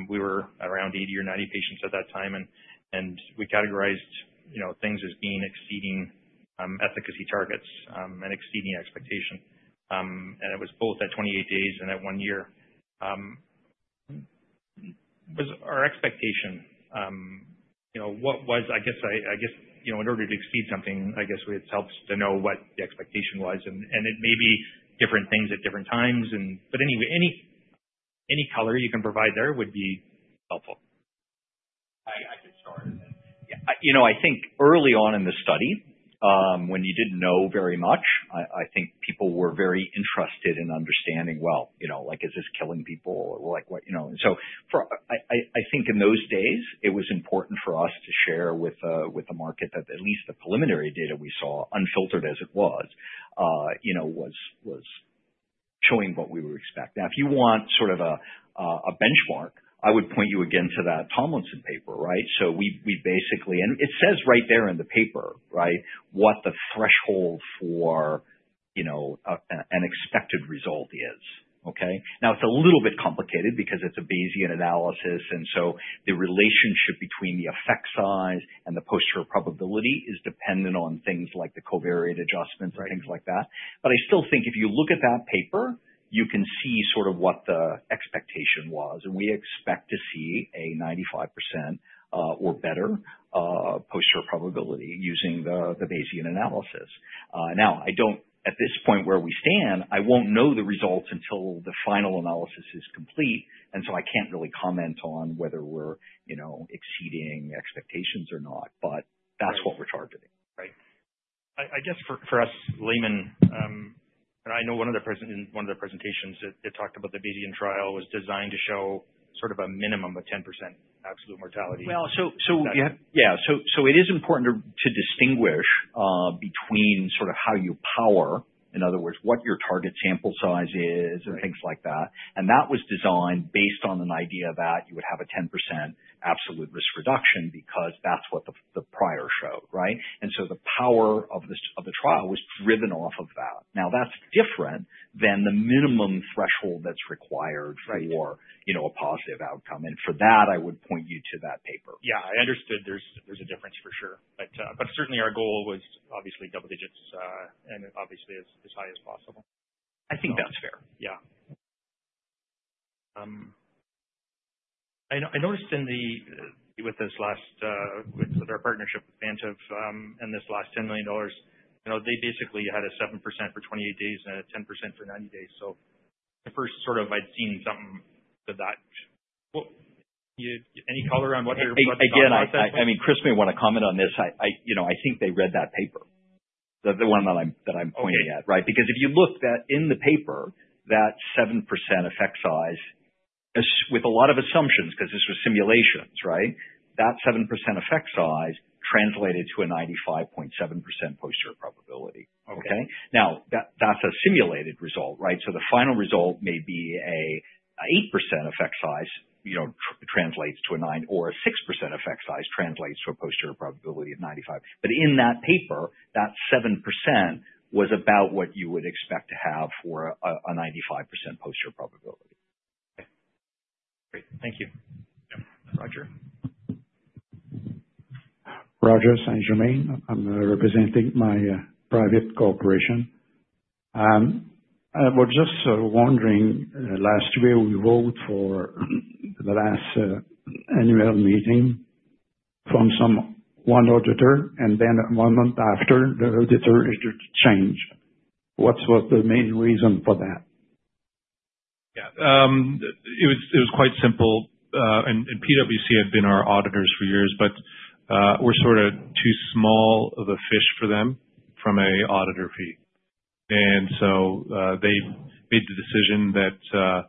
we were around 80 or 90 patients at that time, and we categorized things as being exceeding efficacy targets, and exceeding expectation. It was both at 28 days and at one year. Was our expectation, what was, I guess, in order to exceed something, I guess it helps to know what the expectation was, and it may be different things at different times. Anyway, any color you can provide there would be helpful. I could start. I think early on in the study, when you didn't know very much, I think people were very interested in understanding, well, is this killing people? I think in those days, it was important for us to share with the market that at least the preliminary data we saw, unfiltered as it was showing what we would expect. Now, if you want sort of a benchmark, I would point you again to that Tomlinson paper, right? We basically. It says right there in the paper, right, what the threshold for an expected result is. Okay. Now it's a little bit complicated because it's a Bayesian analysis, and so the relationship between the effect size and the posterior probability is dependent on things like the covariate adjustments and things like that. I still think if you look at that paper, you can see sort of what the expectation was, and we expect to see a 95% or better posterior probability using the Bayesian analysis. Now, at this point where we stand, I won't know the results until the final analysis is complete, and so I can't really comment on whether we're exceeding expectations or not. That's what we're targeting. Right? I guess for us laymen, I know in one of the presentations, they talked about the Bayesian trial was designed to show sort of a minimum of 10% absolute mortality. It is important to distinguish between how you power, in other words, what your target sample size is and things like that. That was designed based on an idea that you would have a 10% absolute risk reduction because that's what the prior showed, right? The power of the trial was driven off of that. That's different than the minimum threshold that's required for a positive outcome, and for that, I would point you to that paper. Yeah, I understood there's a difference for sure. Certainly our goal was obviously double digits, and obviously as high as possible. I think that's fair. I noticed with their partnership with Vantive, and this last $10 million, they basically had a 7% for 28 days and a 10% for 90 days. At first sort of I'd seen something to that. Any color on what your thought process was? Chris may want to comment on this. I think they read that paper, the one that I'm pointing at, right? If you look in the paper, that 7% effect size, with a lot of assumptions, because this was simulations, right? That 7% effect size translated to a 95.7% posterior probability. Okay. That's a simulated result, right? The final result may be an 8% effect size translates to a 9% or a 6% effect size translates to a posterior probability of 95. In that paper, that 7% was about what you would expect to have for a 95% posterior probability. Okay. Great. Thank you. Yep. [Roger?] [Roger St. Germain]. I'm representing my private corporation. I was just wondering, last year we vote for the last annual meeting from some one auditor and then one month after, the auditor is changed. What was the main reason for that? Yeah. It was quite simple. PwC had been our auditors for years, but we're sort of too small of a fish for them from a auditor fee. They made the decision that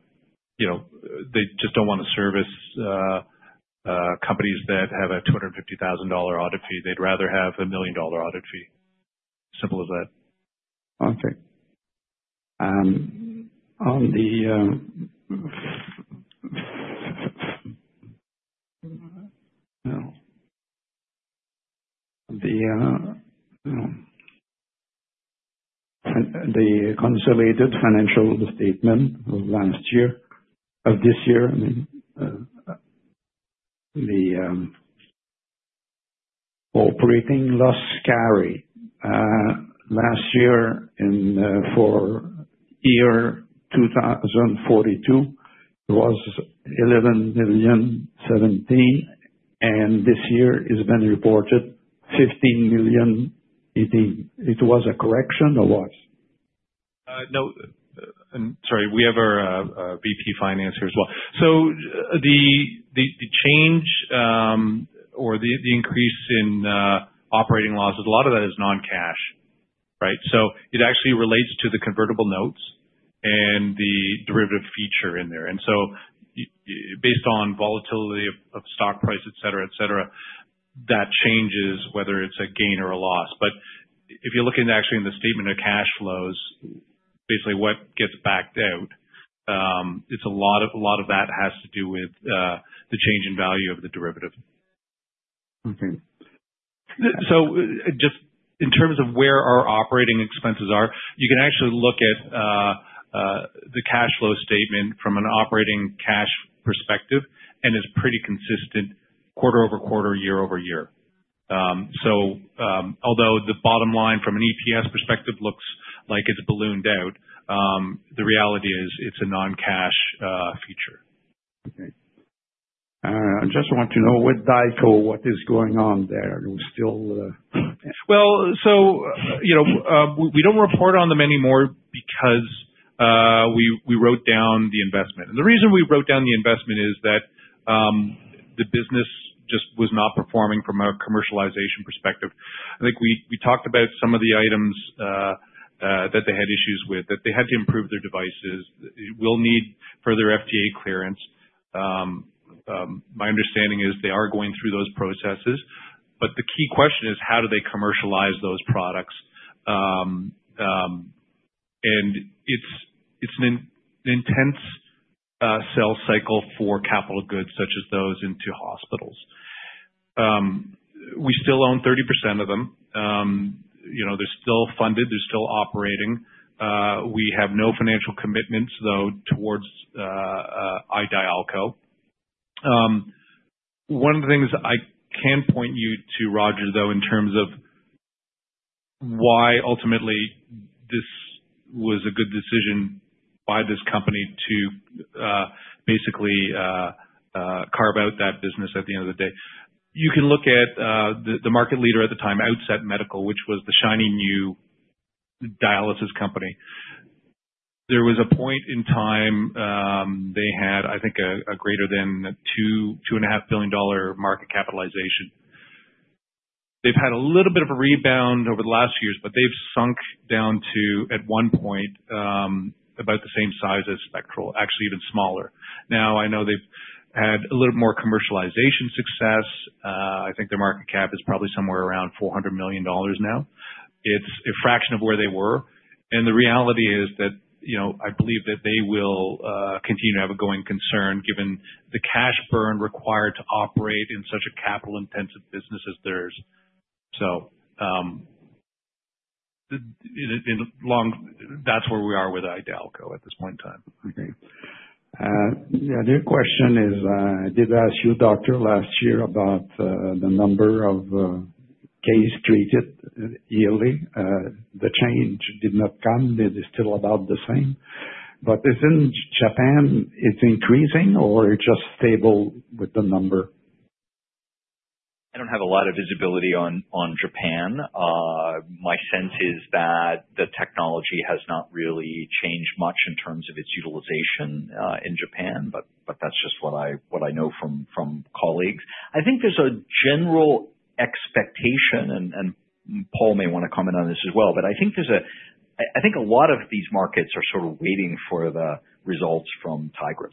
they just don't want to service companies that have a 250,000 dollar audit fee. They'd rather have a million-dollar audit fee. Simple as that. Okay. On the consolidated financial statement of this year, the operating loss carry last year for year 2024 was 11.07 million. This year it's been reported 15.08 million. It was a correction, or what? No. Sorry, we have our VP of Finance here as well. The change or the increase in operating losses, a lot of that is non-cash, right? It actually relates to the convertible notes and the derivative feature in there. Based on volatility of stock price, et cetera, et cetera, that changes whether it's a gain or a loss. If you're looking actually in the Statement of Cash Flows, basically what gets backed out, a lot of that has to do with the change in value of the derivative. Okay. Just in terms of where our operating expenses are, you can actually look at the cash flow statement from an operating cash perspective, and it's pretty consistent quarter-over-quarter, year-over-year. Although the bottom line from an EPS perspective looks like it's ballooned out, the reality is it's a non-cash feature. Okay. I just want to know with Dialco what is going on there. Are you still? We don't report on them anymore because we wrote down the investment. The reason we wrote down the investment is that the business just was not performing from a commercialization perspective. I think we talked about some of the items that they had issues with, that they had to improve their devices. It will need further FDA clearance. My understanding is they are going through those processes. The key question is how do they commercialize those products? It's an intense sales cycle for capital goods such as those into hospitals. We still own 30% of them. They're still funded, they're still operating. We have no financial commitments, though, towards Dialco. One of the things I can point you to, Roger, though, in terms of why ultimately this was a good decision by this company to basically carve out that business at the end of the day. You can look at the market leader at the time, Outset Medical, which was the shiny new dialysis company. There was a point in time, they had, I think, a greater than $2 billion-$2.5 billion market capitalization. They've had a little bit of a rebound over the last years, but they've sunk down to, at one point, about the same size as Spectral, actually even smaller. I know they've had a little more commercialization success. I think their market cap is probably somewhere around $400 million now. It's a fraction of where they were. The reality is that I believe that they will continue to have a going concern, given the cash burn required to operate in such a capital-intensive business as theirs. That's where we are with Dialco at this point in time. Okay. The other question is, I did ask you, doctor, last year about the number of case treated yearly. The change did not come. It is still about the same. In Japan, it's increasing or it's just stable with the number? I don't have a lot of visibility on Japan. My sense is that the technology has not really changed much in terms of its utilization in Japan, but that's just what I know from colleagues. I think there's a general expectation, and Paul may want to comment on this as well, but I think a lot of these markets are sort of waiting for the results from TIGRIS.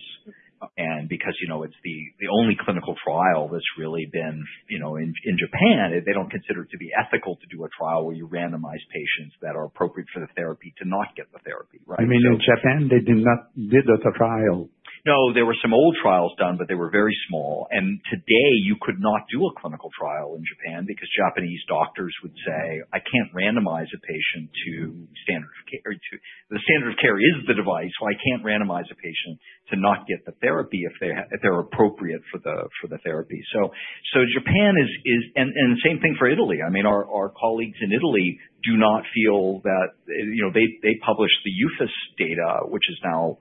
Because it's the only clinical trial that's really been in Japan. They don't consider it to be ethical to do a trial where you randomize patients that are appropriate for the therapy to not get the therapy, right? You mean in Japan, they did not visit a trial? No, there were some old trials done, but they were very small. Today you could not do a clinical trial in Japan because Japanese doctors would say, "I can't randomize a patient to standard of care. Or the standard of care is the device, so I can't randomize a patient to not get the therapy if they're appropriate for the therapy." Japan is. Same thing for Italy. Our colleagues in Italy do not feel that. They published the EUPHRATES data, which is now,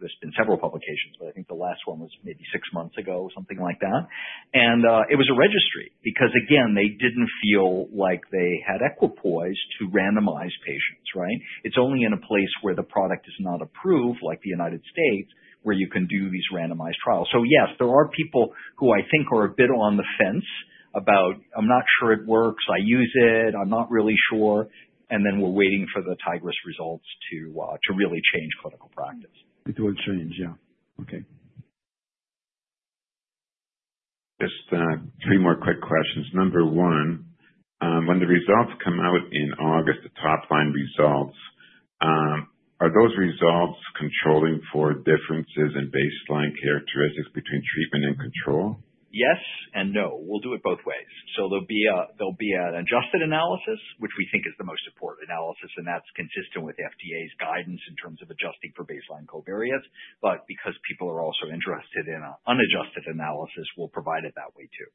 there's been several publications, but I think the last one was maybe six months ago or something like that. It was a registry, because again, they didn't feel like they had equipoise to randomize patients, right? It's only in a place where the product is not approved, like the United States, where you can do these randomized trials. Yes, there are people who I think are a bit on the fence about, "I'm not sure it works. I use it. I'm not really sure." We're waiting for the TIGRIS results to really change clinical practice. It will change. Yeah. Okay. Just three more quick questions. Number one, when the results come out in August, the top-line results, are those results controlling for differences in baseline characteristics between treatment and control? Yes and no. We'll do it both ways. There'll be an adjusted analysis, which we think is the most important analysis, and that's consistent with FDA's guidance in terms of adjusting for baseline covariates. Because people are also interested in an unadjusted analysis, we'll provide it that way too.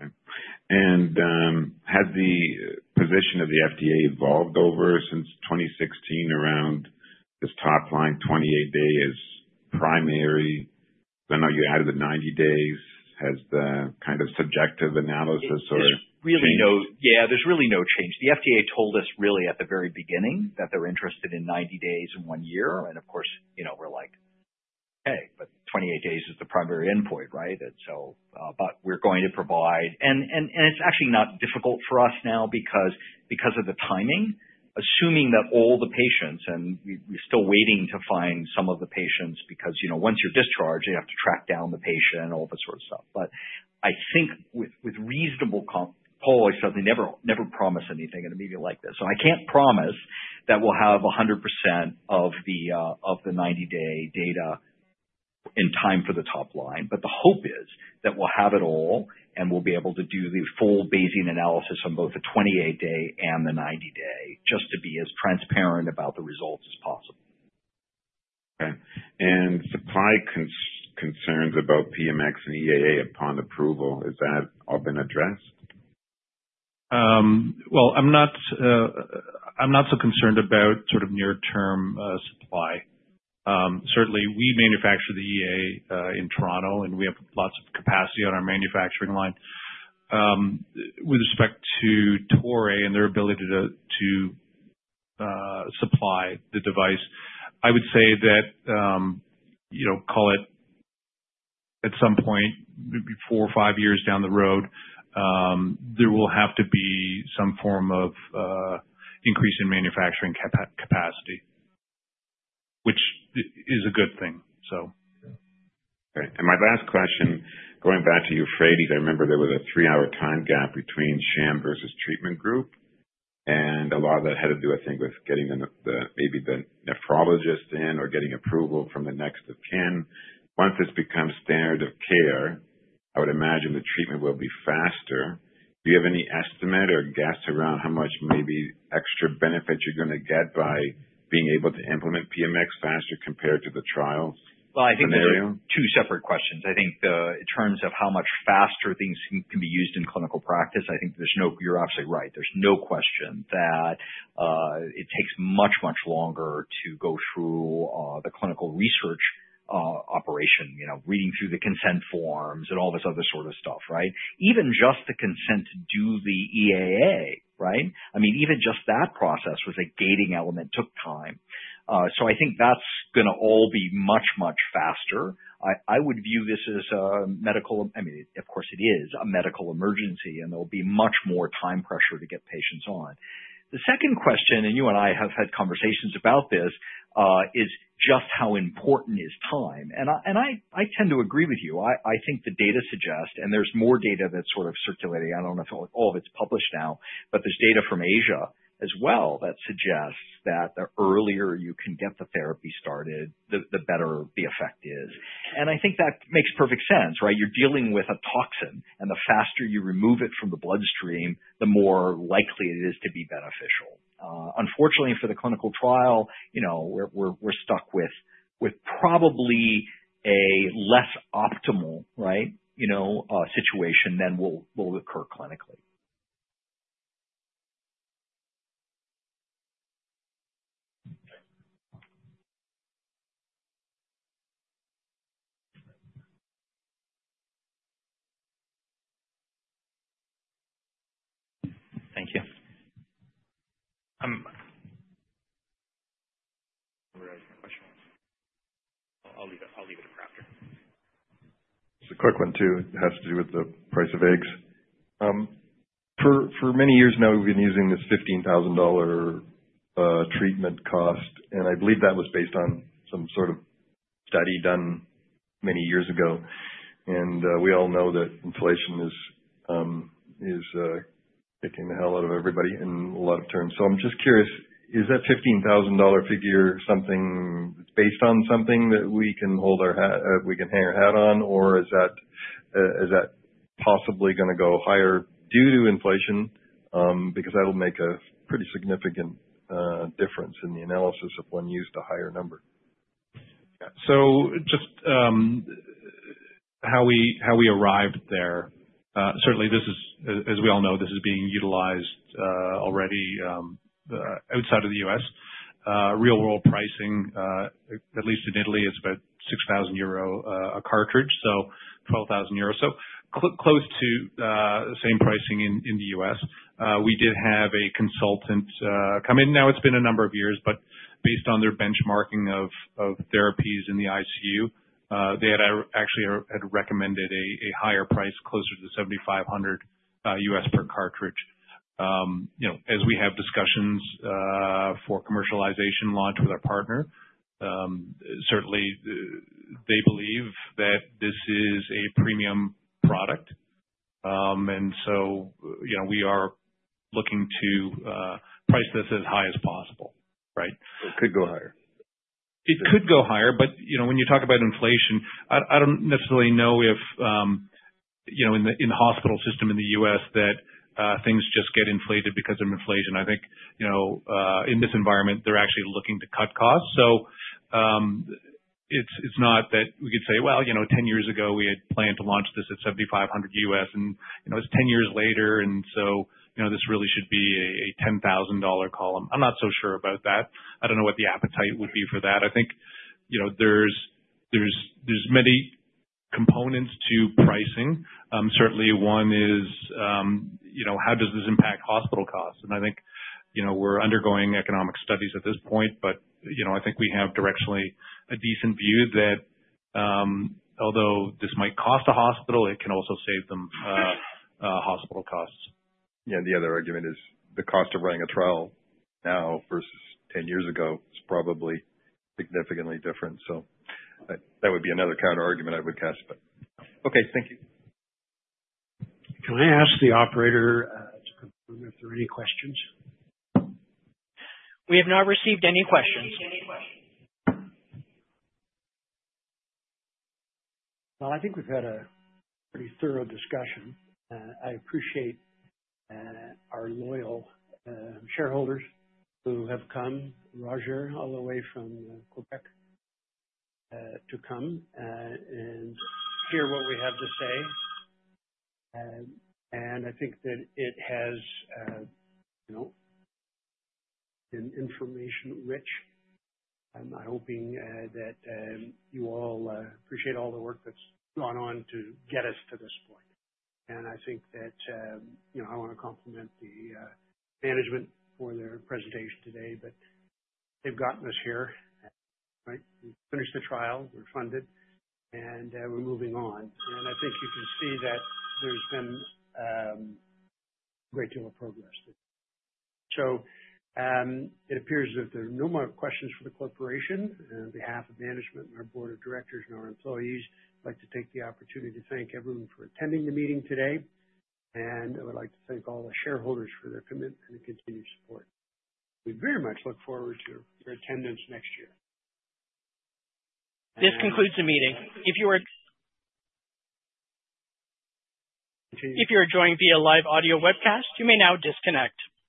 Has the position of the FDA evolved over since 2016 around this top line, 28-day as primary? Now you added the 90 days. Has the kind of subjective analysis sort of changed? Yeah, there's really no change. The FDA told us really at the very beginning that they're interested in 90 days and one year. Of course, we're like, "Okay, but 28 days is the primary endpoint, right?" It's actually not difficult for us now because of the timing. Assuming that all the patients, we're still waiting to find some of the patients, because once you're discharged, you have to track down the patient and all that sort of stuff. I think with reasonable comp, Paul always says, "Never promise anything in a meeting like this." I can't promise that we'll have 100% of the 90-day data in time for the top line. The hope is that we'll have it all, and we'll be able to do the full Bayesian analysis on both the 28-day and the 90-day, just to be as transparent about the results as possible. Okay. Supply concerns about PMX and EAA upon approval, has that all been addressed? Well, I'm not so concerned about sort of near-term supply. Certainly, we manufacture the EAA in Toronto, and we have lots of capacity on our manufacturing line. With respect to Toray and their ability to supply the device, I would say that, call it at some point, maybe four or five years down the road, there will have to be some form of increase in manufacturing capacity. Which is a good thing. Great. My last question, going back to EUPHRATES, I remember there was a three-hour time gap between sham versus treatment group. A lot of that had to do, I think, with getting maybe the nephrologist in or getting approval from the next of kin. Once this becomes standard of care, I would imagine the treatment will be faster. Do you have any estimate or guess around how much maybe extra benefit you're going to get by being able to implement PMX faster compared to the trial scenario? Well, I think those are two separate questions. I think in terms of how much faster things can be used in clinical practice, I think you're absolutely right. There's no question that it takes much, much longer to go through the clinical research operation, reading through the consent forms and all this other sort of stuff, right? Even just the consent to do the EAA, right? I mean, even just that process was a gating element, took time. I think that's going to all be much, much faster. I would view this as, of course it is, a medical emergency, and there'll be much more time pressure to get patients on. The second question, you and I have had conversations about this, is just how important is time. I tend to agree with you. I think the data suggests, there's more data that's sort of circulating. I don't know if all of it's published now, there's data from Asia as well that suggests that the earlier you can get the therapy started, the better the effect is. I think that makes perfect sense, right? You're dealing with a toxin, and the faster you remove it from the bloodstream, the more likely it is to be beneficial. Unfortunately for the clinical trial, we're stuck with probably a less optimal situation than will occur clinically. Thank you. I'm realizing my question was I'll leave it for after. It's a quick one, too. It has to do with the price of eggs. For many years now, we've been using this 15,000 dollar treatment cost, and I believe that was based on some sort of study done many years ago. We all know that inflation is kicking the hell out of everybody in a lot of terms. I'm just curious, is that 15,000 dollar figure based on something that we can hang our hat on, or is that possibly going to go higher due to inflation? That'll make a pretty significant difference in the analysis if one used a higher number. Just how we arrived there. Certainly, as we all know, this is being utilized already outside of the U.S. Real-world pricing, at least in Italy, is about 6,000 euro a cartridge, so 12,000 euro. Close to the same pricing in the U.S. We did have a consultant come in. Now it's been a number of years, but based on their benchmarking of therapies in the ICU, they had actually had recommended a higher price, closer to $7,500 per cartridge. As we have discussions for commercialization launch with our partner, certainly they believe that this is a premium product. We are looking to price this as high as possible. Right? It could go higher. It could go higher, but when you talk about inflation, I don't necessarily know if in the hospital system in the U.S. that things just get inflated because of inflation. I think, in this environment, they're actually looking to cut costs. It's not that we could say, "Well, 10 years ago, we had planned to launch this at $7,500, and it's 10 years later, and so this really should be a $10,000 cartridge." I'm not so sure about that. I don't know what the appetite would be for that. I think there's many components to pricing. Certainly one is how does this impact hospital costs? I think we're undergoing economic studies at this point, but I think we have directionally a decent view that although this might cost a hospital, it can also save them hospital costs. Yeah. The other argument is the cost of running a trial now versus 10 years ago is probably significantly different. That would be another counterargument I would guess, but okay. Thank you. Can I ask the operator to confirm if there are any questions? We have not received any questions. Well, I think we've had a pretty thorough discussion. I appreciate our loyal shareholders who have come, Roger, all the way from Quebec to come and hear what we have to say. I think that it has been information-rich, and I'm hoping that you all appreciate all the work that's gone on to get us to this point. I think that I want to compliment the management for their presentation today, that they've gotten us here. Right? We've finished the trial. We're funded, and we're moving on. I think you can see that there's been a great deal of progress. It appears that there are no more questions for the corporation. On behalf of management and our board of directors and our employees, I'd like to take the opportunity to thank everyone for attending the meeting today. I would like to thank all the shareholders for their commitment and continued support. We very much look forward to your attendance next year. This concludes the meeting. If you are joining via live audio webcast, you may now disconnect.